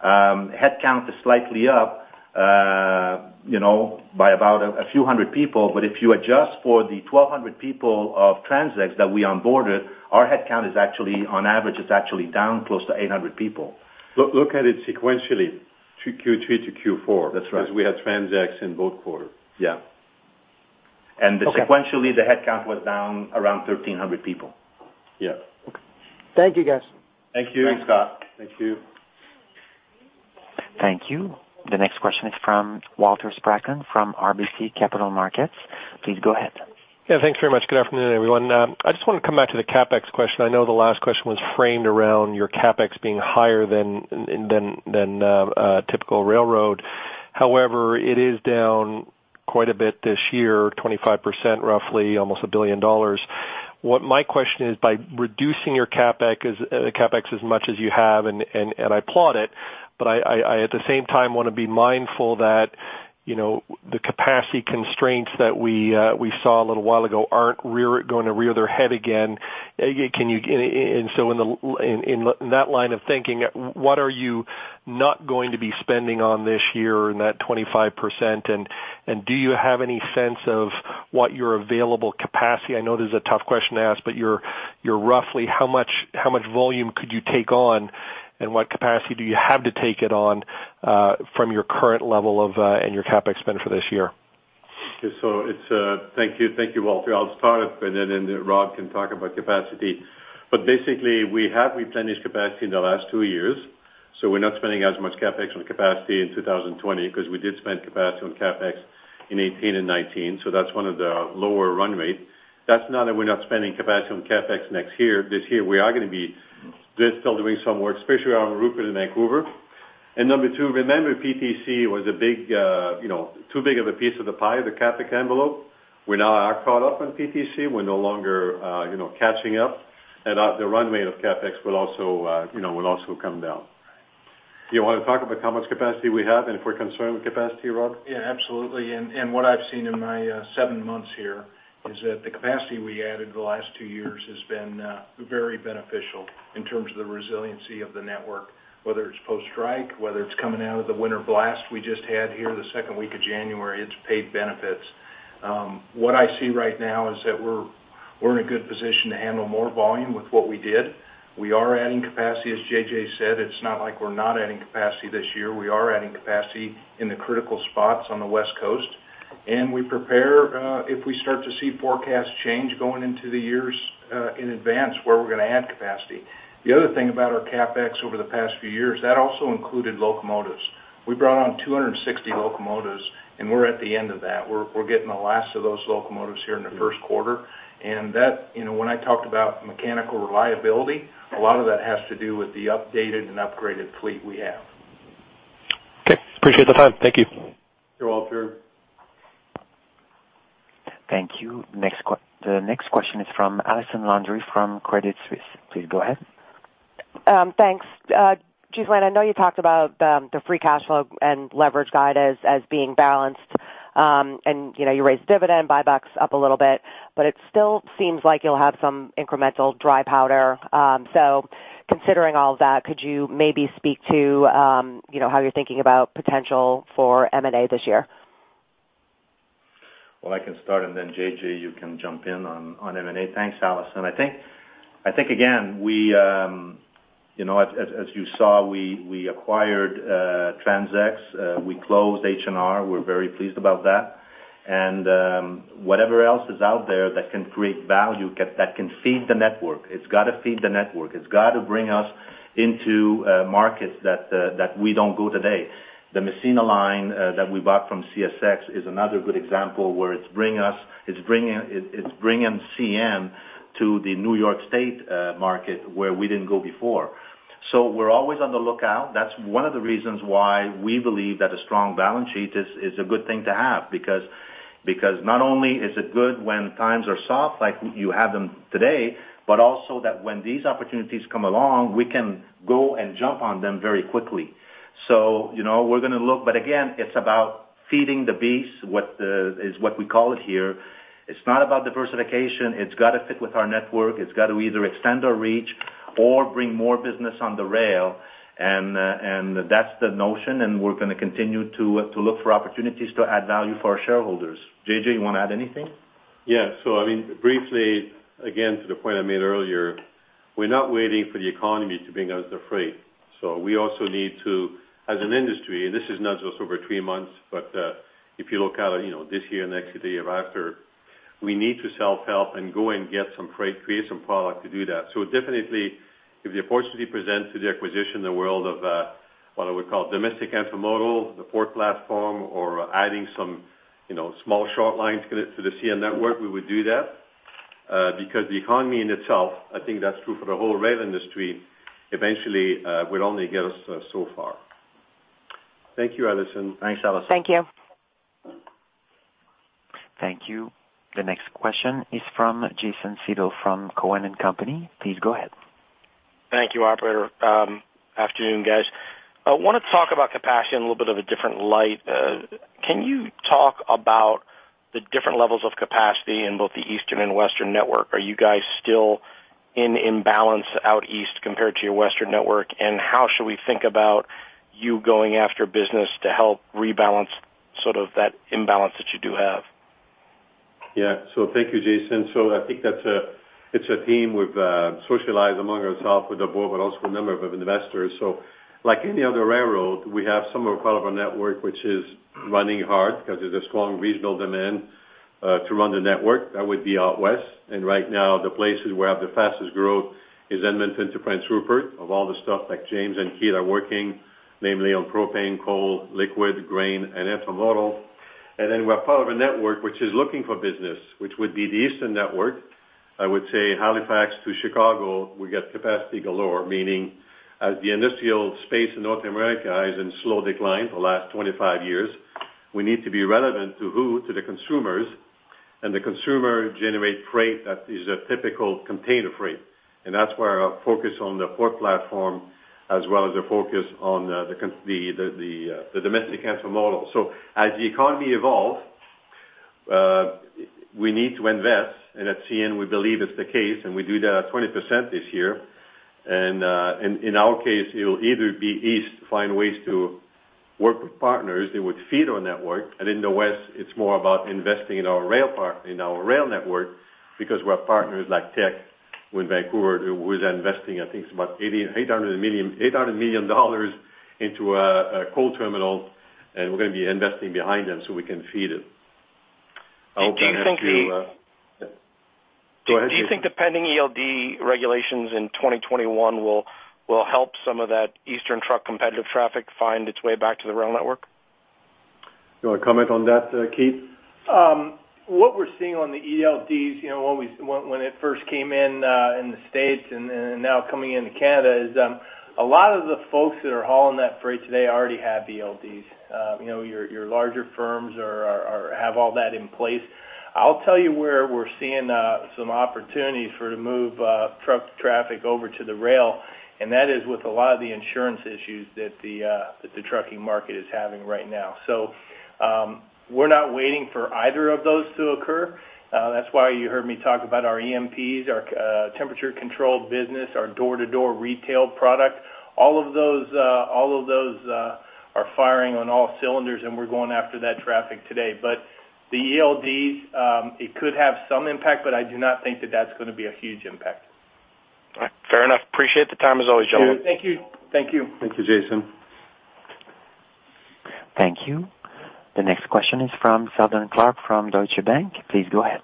headcount is slightly up by about a few hundred people. But if you adjust for the 1,200 people of TransX that we onboarded, our headcount is actually on average, it's actually down close to 800 people. Look at it sequentially, Q3 to Q4, because we had TransX in both quarters. Yeah. Sequentially, the headcount was down around 1,300 people. Yeah. Thank you, guys. Thank you. Thanks, Scott. Thank you. Thank you. The next question is from Walter Spracklin from RBC Capital Markets. Please go ahead. Yeah, thanks very much. Good afternoon, everyone. I just want to come back to the CapEx question. I know the last question was framed around your CapEx being higher than typical railroad. However, it is down quite a bit this year, 25% roughly, almost 1 billion dollars. What my question is, by reducing your CapEx as much as you have, and I applaud it, but I at the same time want to be mindful that the capacity constraints that we saw a little while ago aren't going to rear their head again. And so in that line of thinking, what are you not going to be spending on this year in that 25%? Do you have any sense of what your available capacity, I know this is a tough question to ask, but your roughly how much volume could you take on, and what capacity do you have to take it on from your current level and your CapEx spend for this year? Okay. So thank you, Walter. I'll start, and then Rob can talk about capacity. But basically, we have replenished capacity in the last 2 years. So we're not spending as much CapEx on capacity in 2020 because we did spend capacity on CapEx in 2018 and 2019. So that's one of the lower run rates. That's not that we're not spending capacity on CapEx next year. This year, we are going to be still doing some work, especially on Rupert and Vancouver. And number two, remember PTC was too big of a piece of the pie, the CapEx envelope. We now are caught up on PTC. We're no longer catching up. And the run rate of CapEx will also come down. You want to talk about how much capacity we have and if we're concerned with capacity, Rob? Yeah, absolutely. And what I've seen in my seven months here is that the capacity we added the last two years has been very beneficial in terms of the resiliency of the network, whether it's post-strike, whether it's coming out of the winter blast we just had here the second week of January. It's paid benefits. What I see right now is that we're in a good position to handle more volume with what we did. We are adding capacity, as J.J. said. It's not like we're not adding capacity this year. We are adding capacity in the critical spots on the West Coast. And we prepare if we start to see forecasts change going into the years in advance where we're going to add capacity. The other thing about our CapEx over the past few years, that also included locomotives. We brought on 260 locomotives, and we're at the end of that. We're getting the last of those locomotives here in the first quarter. And when I talked about mechanical reliability, a lot of that has to do with the updated and upgraded fleet we have. Okay. Appreciate the time. Thank you. Thank you. Thank you. The next question is from Allison Landry from Credit Suisse. Please go ahead. Thanks. Ghislain, I know you talked about the free cash flow and leverage guide as being balanced. You raised dividend, buybacks up a little bit, but it still seems like you'll have some incremental dry powder. Considering all of that, could you maybe speak to how you're thinking about potential for M&A this year? Well, I can start, and then J.J., you can jump in on M&A. Thanks, Allison. I think, again, as you saw, we acquired TransX. We closed H&R. We're very pleased about that. And whatever else is out there that can create value, that can feed the network, it's got to feed the network. It's got to bring us into markets that we don't go today. The Massena line that we bought from CSX is another good example where it's bringing CN to the New York State market where we didn't go before. So we're always on the lookout. That's one of the reasons why we believe that a strong balance sheet is a good thing to have because not only is it good when times are soft like you have them today, but also that when these opportunities come along, we can go and jump on them very quickly. So we're going to look. But again, it's about feeding the beast, is what we call it here. It's not about diversification. It's got to fit with our network. It's got to either extend our reach or bring more business on the rail. And that's the notion. And we're going to continue to look for opportunities to add value for our shareholders. J.J., you want to add anything? Yeah. So I mean, briefly, again, to the point I made earlier, we're not waiting for the economy to bring us the freight. So we also need to, as an industry, and this is not just over three months, but if you look at it this year, next year, the year after, we need to self-help and go and get some freight, create some product to do that. So definitely, if the opportunity presents to the acquisition, the world of what I would call domestic intermodal, the port platform, or adding some small short lines to the CN network, we would do that because the economy in itself, I think that's true for the whole rail industry, eventually would only get us so far. Thank you, Allison. Thanks, Allison. Thank you. Thank you. The next question is from Jason Seidl from Cowen & Company. Please go ahead. Thank you, Operator. Afternoon, guys. I want to talk about capacity in a little bit of a different light. Can you talk about the different levels of capacity in both the eastern and western network? Are you guys still in imbalance out east compared to your western network? And how should we think about you going after business to help rebalance sort of that imbalance that you do have? Yeah. So thank you, Jason. So I think it's a theme we've socialized among ourselves with the board, but also a number of investors. So like any other railroad, we have some of our part of our network which is running hard because there's a strong regional demand to run the network. That would be out west. And right now, the places where I have the fastest growth is Edmonton to Prince Rupert. Of all the stuff that James and Keith are working, namely on propane, coal, liquid, grain, and intermodal. And then we have part of a network which is looking for business, which would be the eastern network. I would say Halifax to Chicago, we get capacity galore, meaning as the industrial space in North America is in slow decline the last 25 years, we need to be relevant to who? To the consumers. The consumer generates freight that is a typical container freight. That's where our focus on the port platform, as well as the focus on the domestic intermodal. So as the economy evolves, we need to invest. And at CN, we believe it's the case. And we do that at 20% this year. And in our case, it will either be east, find ways to work with partners that would feed our network. And in the west, it's more about investing in our rail network because we have partners like Teck with Vancouver who is investing, I think, about $800 million into a coal terminal. And we're going to be investing behind them so we can feed it. I hope that answers your. Thank you. Go ahead. Do you think the pending ELD regulations in 2021 will help some of that eastern truck competitive traffic find its way back to the rail network? Do you want to comment on that, Keith? What we're seeing on the ELDs when it first came in in the States and now coming into Canada is a lot of the folks that are hauling that freight today already have ELDs. Your larger firms have all that in place. I'll tell you where we're seeing some opportunities for to move truck traffic over to the rail. And that is with a lot of the insurance issues that the trucking market is having right now. So we're not waiting for either of those to occur. That's why you heard me talk about our EMPs, our temperature-controlled business, our door-to-door retail product. All of those are firing on all cylinders, and we're going after that traffic today. But the ELDs, it could have some impact, but I do not think that that's going to be a huge impact. Fair enough. Appreciate the time as always, gentlemen. Thank you. Thank you. Thank you, Jason. Thank you. The next question is from Seldon Clarke from Deutsche Bank. Please go ahead.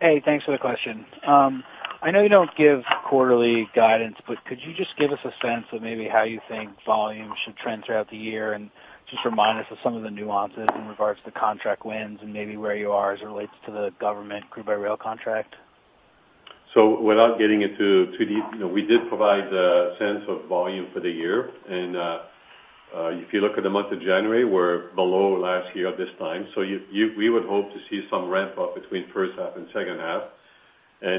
Hey, thanks for the question. I know you don't give quarterly guidance, but could you just give us a sense of maybe how you think volume should trend throughout the year and just remind us of some of the nuances in regards to contract wins and maybe where you are as it relates to the government crude by rail contract? Without getting into too deep, we did provide a sense of volume for the year. If you look at the month of January, we're below last year at this time. We would hope to see some ramp up between first half and second half.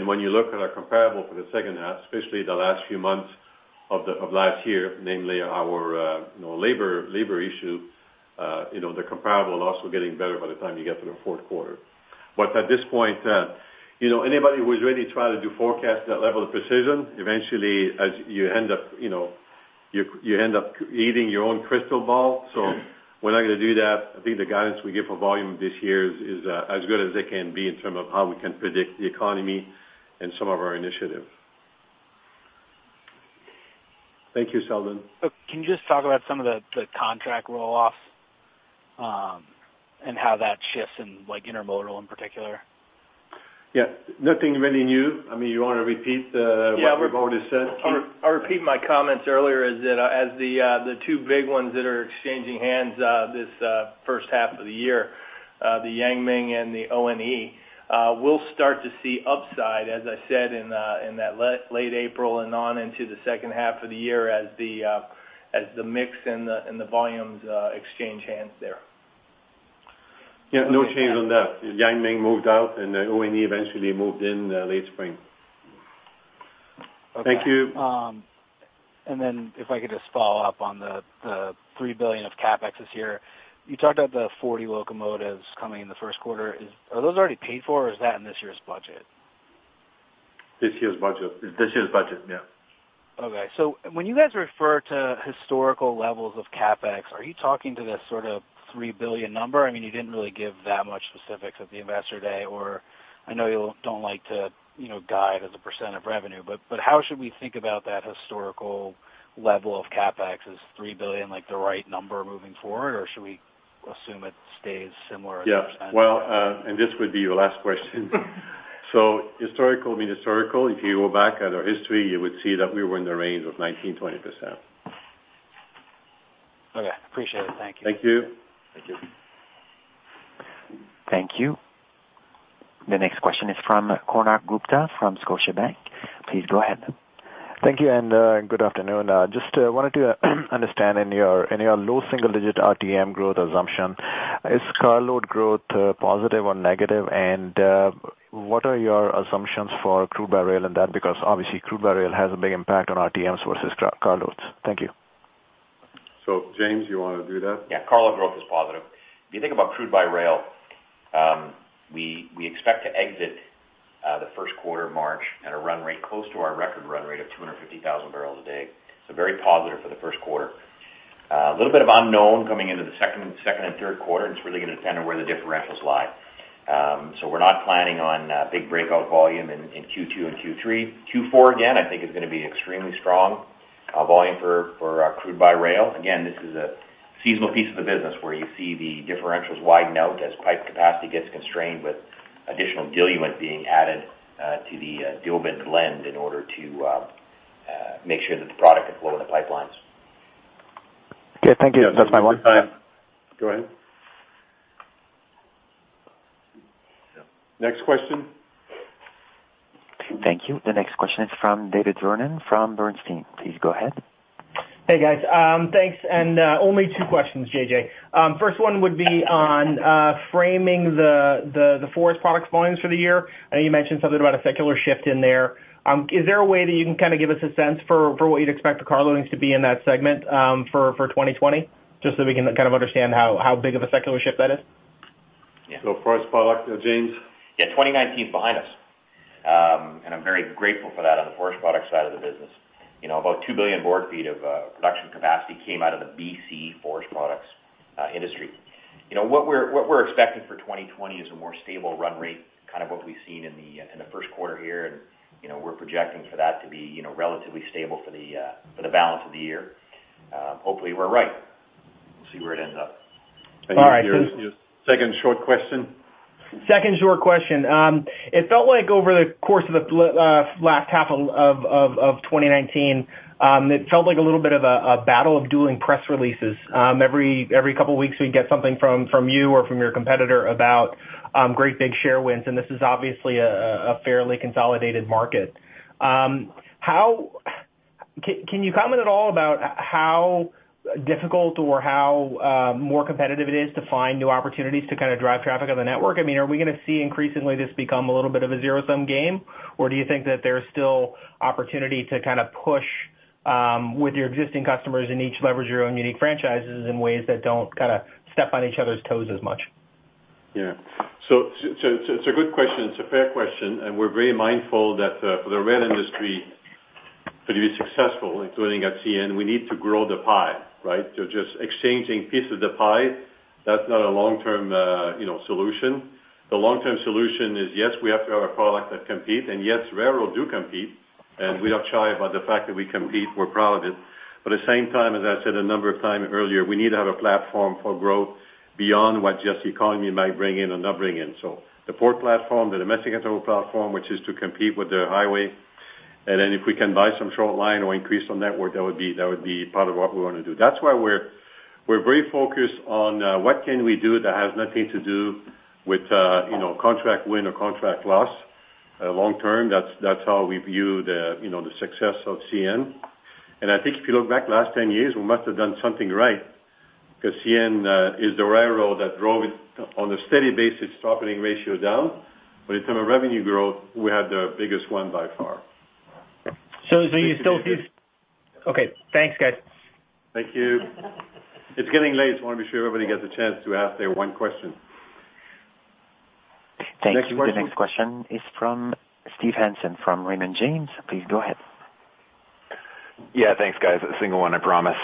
When you look at our comparable for the second half, especially the last few months of last year, namely our labor issue, the comparable is also getting better by the time you get to the fourth quarter. At this point, anybody who is ready to try to do forecasts at that level of precision, eventually, as you end up, you end up eating your own crystal ball. We're not going to do that. I think the guidance we give for volume this year is as good as it can be in terms of how we can predict the economy and some of our initiatives. Thank you, Seldon. Can you just talk about some of the contract rolloffs and how that shifts in intermodal in particular? Yeah. Nothing really new. I mean, you want to repeat what we've already said? I'll repeat my comments earlier as the two big ones that are exchanging hands this first half of the year, the Yang Ming and the ONE. We'll start to see upside, as I said, in that late April and on into the second half of the year as the mix and the volumes exchange hands there. Yeah. No change on that. Yang Ming moved out, and ONE eventually moved in late spring. Thank you. And then if I could just follow up on the 3 billion of CapEx this year, you talked about the 40 locomotives coming in the first quarter. Are those already paid for, or is that in this year's budget? This year's budget. This year's budget, yeah. Okay. So when you guys refer to historical levels of CapEx, are you talking to this sort of 3 billion number? I mean, you didn't really give that much specifics at the investor day, or I know you don't like to guide as a % of revenue, but how should we think about that historical level of CapEx as 3 billion, like the right number moving forward, or should we assume it stays similar as a %? Yeah. Well, and this would be your last question. Historical means historical. If you go back at our history, you would see that we were in the range of 19%-20%. Okay. Appreciate it. Thank you. Thank you. Thank you. Thank you. The next question is from Konark Gupta from Scotiabank. Please go ahead. Thank you and good afternoon. Just wanted to understand in your low single-digit RTM growth assumption, is carload growth positive or negative? And what are your assumptions for crude by rail in that? Because obviously, crude by rail has a big impact on RTMs versus carloads. Thank you. James, you want to do that? Yeah. Carload growth is positive. If you think about crude by rail, we expect to exit the first quarter, March, at a run rate close to our record run rate of 250,000 barrels a day. So very positive for the first quarter. A little bit of unknown coming into the second and third quarter, and it's really going to depend on where the differentials lie. So we're not planning on big breakout volume in Q2 and Q3. Q4, again, I think is going to be extremely strong volume for crude by rail. Again, this is a seasonal piece of the business where you see the differentials widen out as pipe capacity gets constrained with additional diluent being added to the diluent blend in order to make sure that the product can flow in the pipelines. Okay. Thank you. That's my one. Good time. Go ahead. Next question. Thank you. The next question is from David Vernon from Bernstein. Please go ahead. Hey, guys. Thanks. Only two questions, J.J. First one would be on framing the forest products volumes for the year. I know you mentioned something about a secular shift in there. Is there a way that you can kind of give us a sense for what you'd expect the car loadings to be in that segment for 2020, just so we can kind of understand how big of a secular shift that is? Yeah. So forest product, James? Yeah. 2019 is behind us. I'm very grateful for that on the forest product side of the business. About 2 billion board feet of production capacity came out of the BC forest products industry. What we're expecting for 2020 is a more stable run rate, kind of what we've seen in the first quarter here. We're projecting for that to be relatively stable for the balance of the year. Hopefully, we're right. We'll see where it ends up. All right. Second short question. Second short question. It felt like over the course of the last half of 2019, it felt like a little bit of a battle of dueling press releases. Every couple of weeks, we'd get something from you or from your competitor about great big share wins. This is obviously a fairly consolidated market. Can you comment at all about how difficult or how more competitive it is to find new opportunities to kind of drive traffic on the network? I mean, are we going to see increasingly this become a little bit of a zero-sum game, or do you think that there's still opportunity to kind of push with your existing customers and each leverage your own unique franchises in ways that don't kind of step on each other's toes as much? Yeah. So it's a good question. It's a fair question. And we're very mindful that for the rail industry to be successful, including at CN, we need to grow the pie, right? So just exchanging pieces of the pie, that's not a long-term solution. The long-term solution is, yes, we have to have a product that competes. And yes, railroads do compete. And we don't shy about the fact that we compete. We're proud of it. But at the same time, as I said a number of times earlier, we need to have a platform for growth beyond what just the economy might bring in or not bring in. So the port platform, the domestic intermodal platform, which is to compete with the highway. And then if we can buy some short line or increase the network, that would be part of what we want to do. That's why we're very focused on what can we do that has nothing to do with contract win or contract loss long-term. That's how we view the success of CN. And I think if you look back the last 10 years, we must have done something right because CN is the railroad that drove it on a steady basis, operating ratio down. But in terms of revenue growth, we had the biggest one by far. You still see? Okay. Thanks, guys. Thank you. It's getting late. I want to make sure everybody gets a chance to ask their one question. Thank you. The next question is from Steve Hansen from Raymond James. Please go ahead. Yeah. Thanks, guys. A single one, I promise.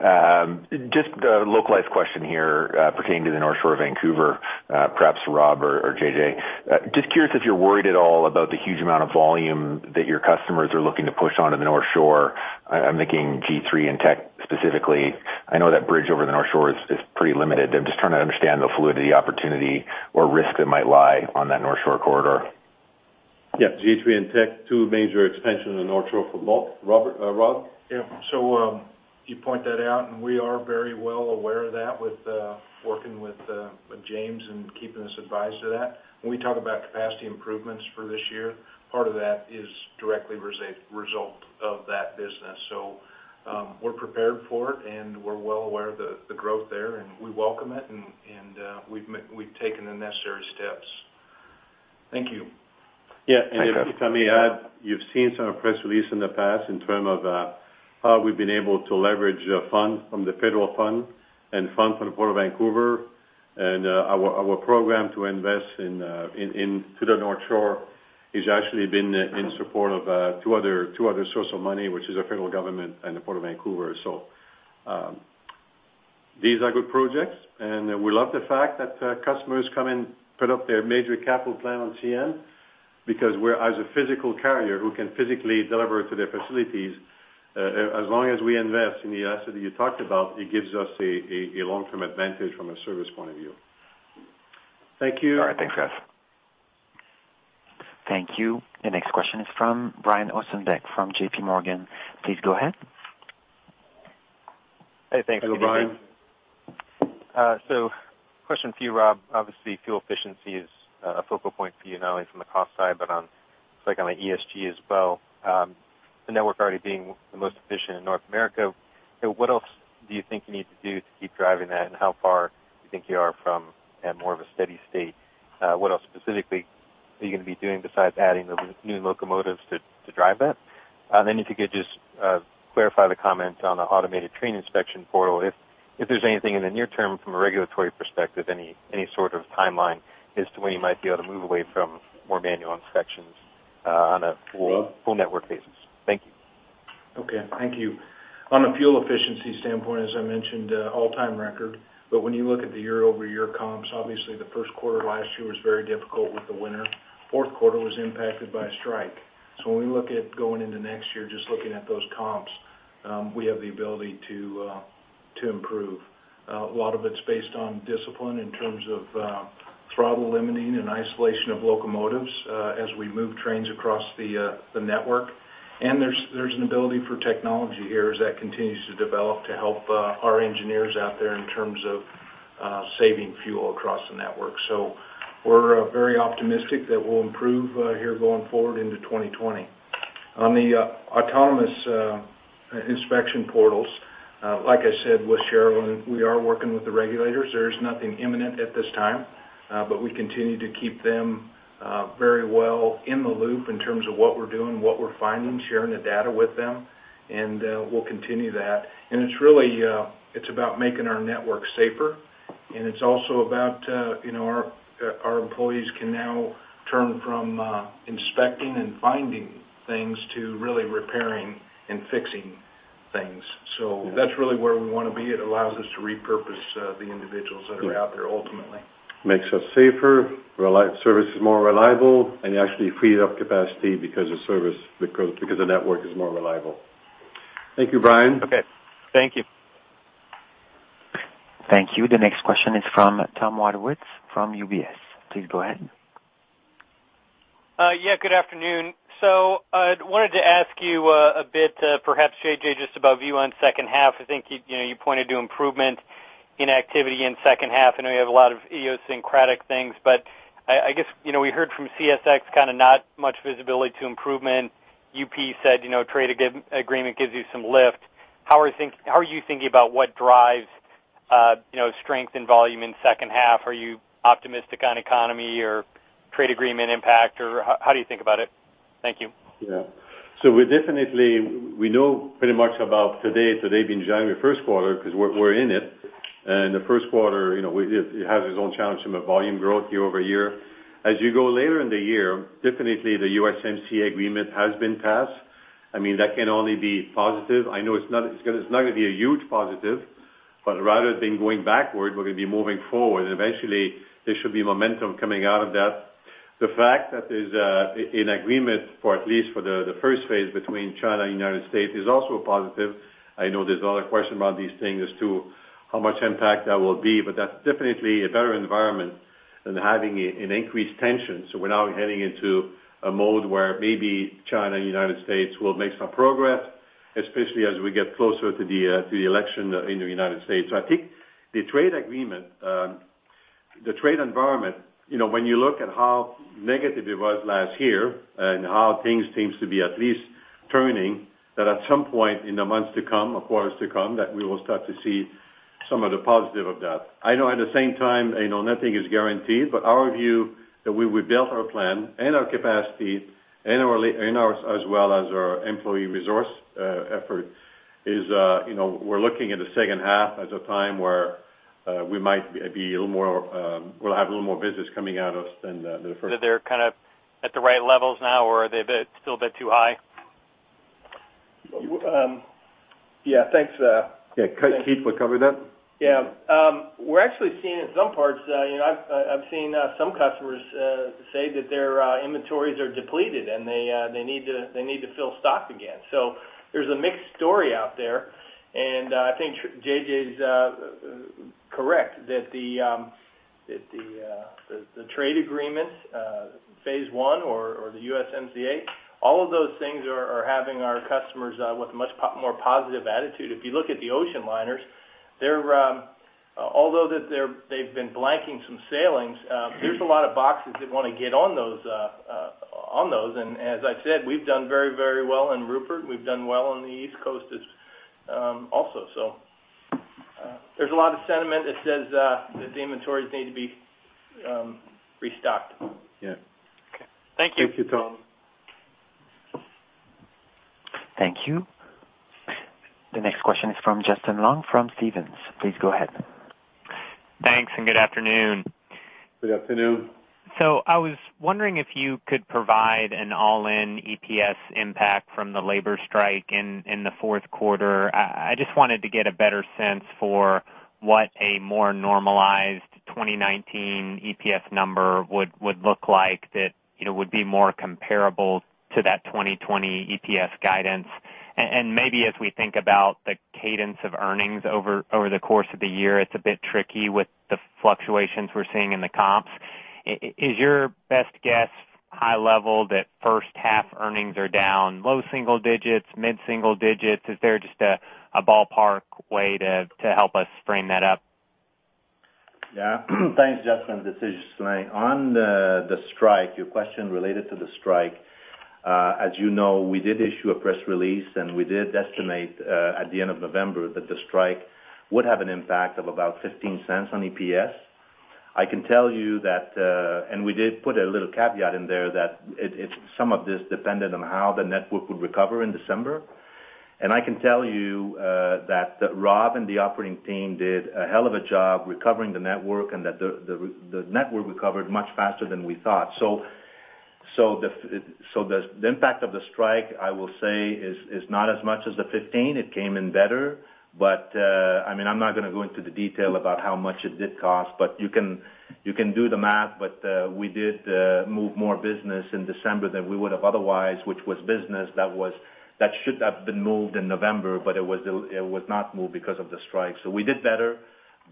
Just a localized question here pertaining to the North Shore of Vancouver, perhaps Rob or J.J. Just curious if you're worried at all about the huge amount of volume that your customers are looking to push onto the North Shore. I'm thinking G3 and Teck specifically. I know that bridge over the North Shore is pretty limited. I'm just trying to understand the fluidity, opportunity, or risk that might lie on that North Shore corridor. Yeah. G3 and Teck, two major expansions in the North Shore for Rob. Rob? Yeah. So you point that out, and we are very well aware of that with working with James and keeping us advised of that. When we talk about capacity improvements for this year, part of that is directly a result of that business. So we're prepared for it, and we're well aware of the growth there. We welcome it, and we've taken the necessary steps. Thank you. Yeah. And if I may add, you've seen some press releases in the past in terms of how we've been able to leverage funds from the federal fund and funds from the Port of Vancouver. And our program to invest in the North Shore has actually been in support of two other sources of money, which are the federal government and the Port of Vancouver. So these are good projects. And we love the fact that customers come and put up their major capital plan on CN because we're, as a physical carrier, who can physically deliver to their facilities, as long as we invest in the asset that you talked about, it gives us a long-term advantage from a service point of view. Thank you. All right. Thanks, guys. Thank you. The next question is from Brian Ossenbeck from JPMorgan. Please go ahead. Hey. Thanks, Steve. Hello, Brian. So, question for you, Rob. Obviously, fuel efficiency is a focal point for you, not only from the cost side, but on, looks like, on the ESG as well. The network already being the most efficient in North America. What else do you think you need to do to keep driving that, and how far do you think you are from more of a steady state? What else specifically are you going to be doing besides adding the new locomotives to drive that? And then if you could just clarify the comment on the automated train inspection portal, if there's anything in the near term from a regulatory perspective, any sort of timeline as to when you might be able to move away from more manual inspections on a full network basis. Thank you. Okay. Thank you. On a fuel efficiency standpoint, as I mentioned, all-time record. But when you look at the year-over-year comps, obviously, the first quarter of last year was very difficult with the winter. Fourth quarter was impacted by a strike. So when we look at going into next year, just looking at those comps, we have the ability to improve. A lot of it's based on discipline in terms of throttle limiting and isolation of locomotives as we move trains across the network. And there's an ability for technology here as that continues to develop to help our engineers out there in terms of saving fuel across the network. So we're very optimistic that we'll improve here going forward into 2020. On the autonomous inspection portals, like I said, with Cherilyn, we are working with the regulators. There is nothing imminent at this time, but we continue to keep them very well in the loop in terms of what we're doing, what we're finding, sharing the data with them. We'll continue that. It's really about making our network safer. It's also about our employees can now turn from inspecting and finding things to really repairing and fixing things. That's really where we want to be. It allows us to repurpose the individuals that are out there ultimately. Makes us safer, service is more reliable, and you actually free up capacity because the network is more reliable. Thank you, Brian. Okay. Thank you. Thank you. The next question is from Thomas Wadewitz from UBS. Please go ahead. Yeah. Good afternoon. I wanted to ask you a bit, perhaps, J.J., just about view on second half. I think you pointed to improvement in activity in second half. I know you have a lot of idiosyncratic things, but I guess we heard from CSX kind of not much visibility to improvement. UP said trade agreement gives you some lift. How are you thinking about what drives strength and volume in second half? Are you optimistic on economy or trade agreement impact, or how do you think about it? Thank you. Yeah. So we know pretty much about today, today being January first quarter because we're in it. And the first quarter, it has its own challenge in the volume growth year-over-year. As you go later in the year, definitely the USMCA agreement has been passed. I mean, that can only be positive. I know it's not going to be a huge positive, but rather than going backward, we're going to be moving forward. And eventually, there should be momentum coming out of that. The fact that there's an agreement, at least for the first phase, between China and the United States is also a positive. I know there's a lot of questions around these things as to how much impact that will be, but that's definitely a better environment than having an increased tension. So we're now heading into a mode where maybe China and the United States will make some progress, especially as we get closer to the election in the United States. So I think the trade agreement, the trade environment, when you look at how negative it was last year and how things seem to be at least turning, that at some point in the months to come, a quarter to come, that we will start to see some of the positive of that. I know at the same time, nothing is guaranteed, but our view that we built our plan and our capacity as well as our employee resource effort is we're looking at the second half as a time where we might be a little more we'll have a little more visits coming out of than the first. That they're kind of at the right levels now, or are they still a bit too high? Yeah. Thanks. Yeah. Keith will cover that. Yeah. We're actually seeing in some parts, I've seen some customers say that their inventories are depleted and they need to fill stock again. So there's a mixed story out there. And I think J.J. is correct that the trade agreements, phase one or the USMCA, all of those things are having our customers with a much more positive attitude. If you look at the ocean liners, although they've been blanking some sailings, there's a lot of boxes that want to get on those. And as I said, we've done very, very well in Rupert. We've done well on the East Coast also. So there's a lot of sentiment that says that the inventories need to be restocked. Yeah. Okay. Thank you. Thank you, Tom. Thank you. The next question is from Justin Long from Stephens. Please go ahead. Thanks. Good afternoon. Good afternoon. I was wondering if you could provide an all-in EPS impact from the labor strike in the fourth quarter. I just wanted to get a better sense for what a more normalized 2019 EPS number would look like that would be more comparable to that 2020 EPS guidance. Maybe as we think about the cadence of earnings over the course of the year, it's a bit tricky with the fluctuations we're seeing in the comps. Is your best guess, high level, that first half earnings are down, low single digits, mid-single digits? Is there just a ballpark way to help us frame that up? Yeah. Thanks, Justin. This is Ghislain. On the strike, your question related to the strike, as you know, we did issue a press release, and we did estimate at the end of November that the strike would have an impact of about $0.15 on EPS. I can tell you that, and we did put a little caveat in there that some of this depended on how the network would recover in December. And I can tell you that Rob and the operating team did a hell of a job recovering the network and that the network recovered much faster than we thought. So the impact of the strike, I will say, is not as much as the $0.15. It came in better. But I mean, I'm not going to go into the detail about how much it did cost, but you can do the math. But we did move more business in December than we would have otherwise, which was business that should have been moved in November, but it was not moved because of the strike. So we did better,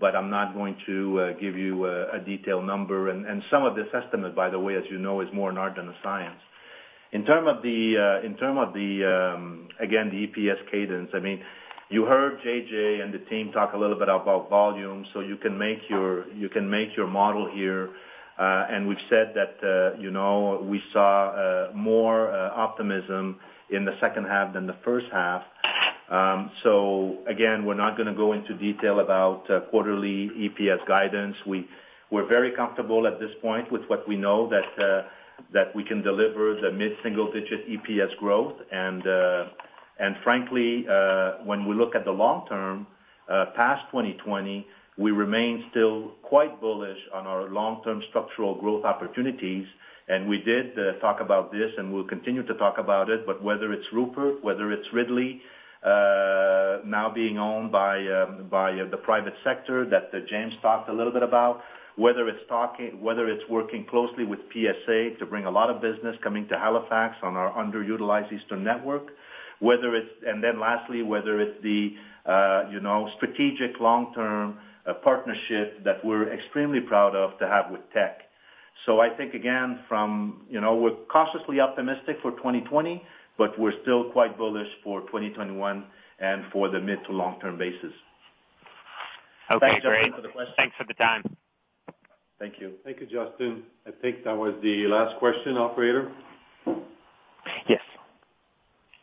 but I'm not going to give you a detailed number. And some of this estimate, by the way, as you know, is more an art than a science. In terms of the, again, the EPS cadence, I mean, you heard J.J. and the team talk a little bit about volume. So you can make your model here. And we've said that we saw more optimism in the second half than the first half. So again, we're not going to go into detail about quarterly EPS guidance. We're very comfortable at this point with what we know that we can deliver the mid-single digit EPS growth. Frankly, when we look at the long term, past 2020, we remain still quite bullish on our long-term structural growth opportunities. And we did talk about this, and we'll continue to talk about it. But whether it's Rupert, whether it's Ridley, now being owned by the private sector that James talked a little bit about, whether it's working closely with PSA to bring a lot of business coming to Halifax on our underutilized Eastern network, and then lastly, whether it's the strategic long-term partnership that we're extremely proud of to have with Teck. So I think, again, we're cautiously optimistic for 2020, but we're still quite bullish for 2021 and for the mid to long-term basis. Thanks for the question. Thanks for the time. Thank you. Thank you, Justin. I think that was the last question, Operator. Yes.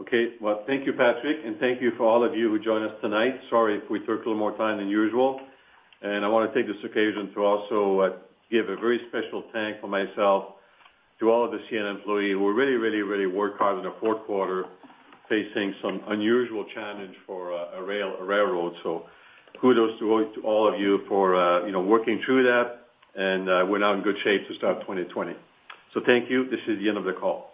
Okay. Well, thank you, Patrick, and thank you for all of you who joined us tonight. Sorry if we took a little more time than usual. I want to take this occasion to also give a very special thanks for myself to all of the CN employees who really, really, really worked hard in the fourth quarter facing some unusual challenge for a railroad. So kudos to all of you for working through that, and we're now in good shape to start 2020. So thank you. This is the end of the call.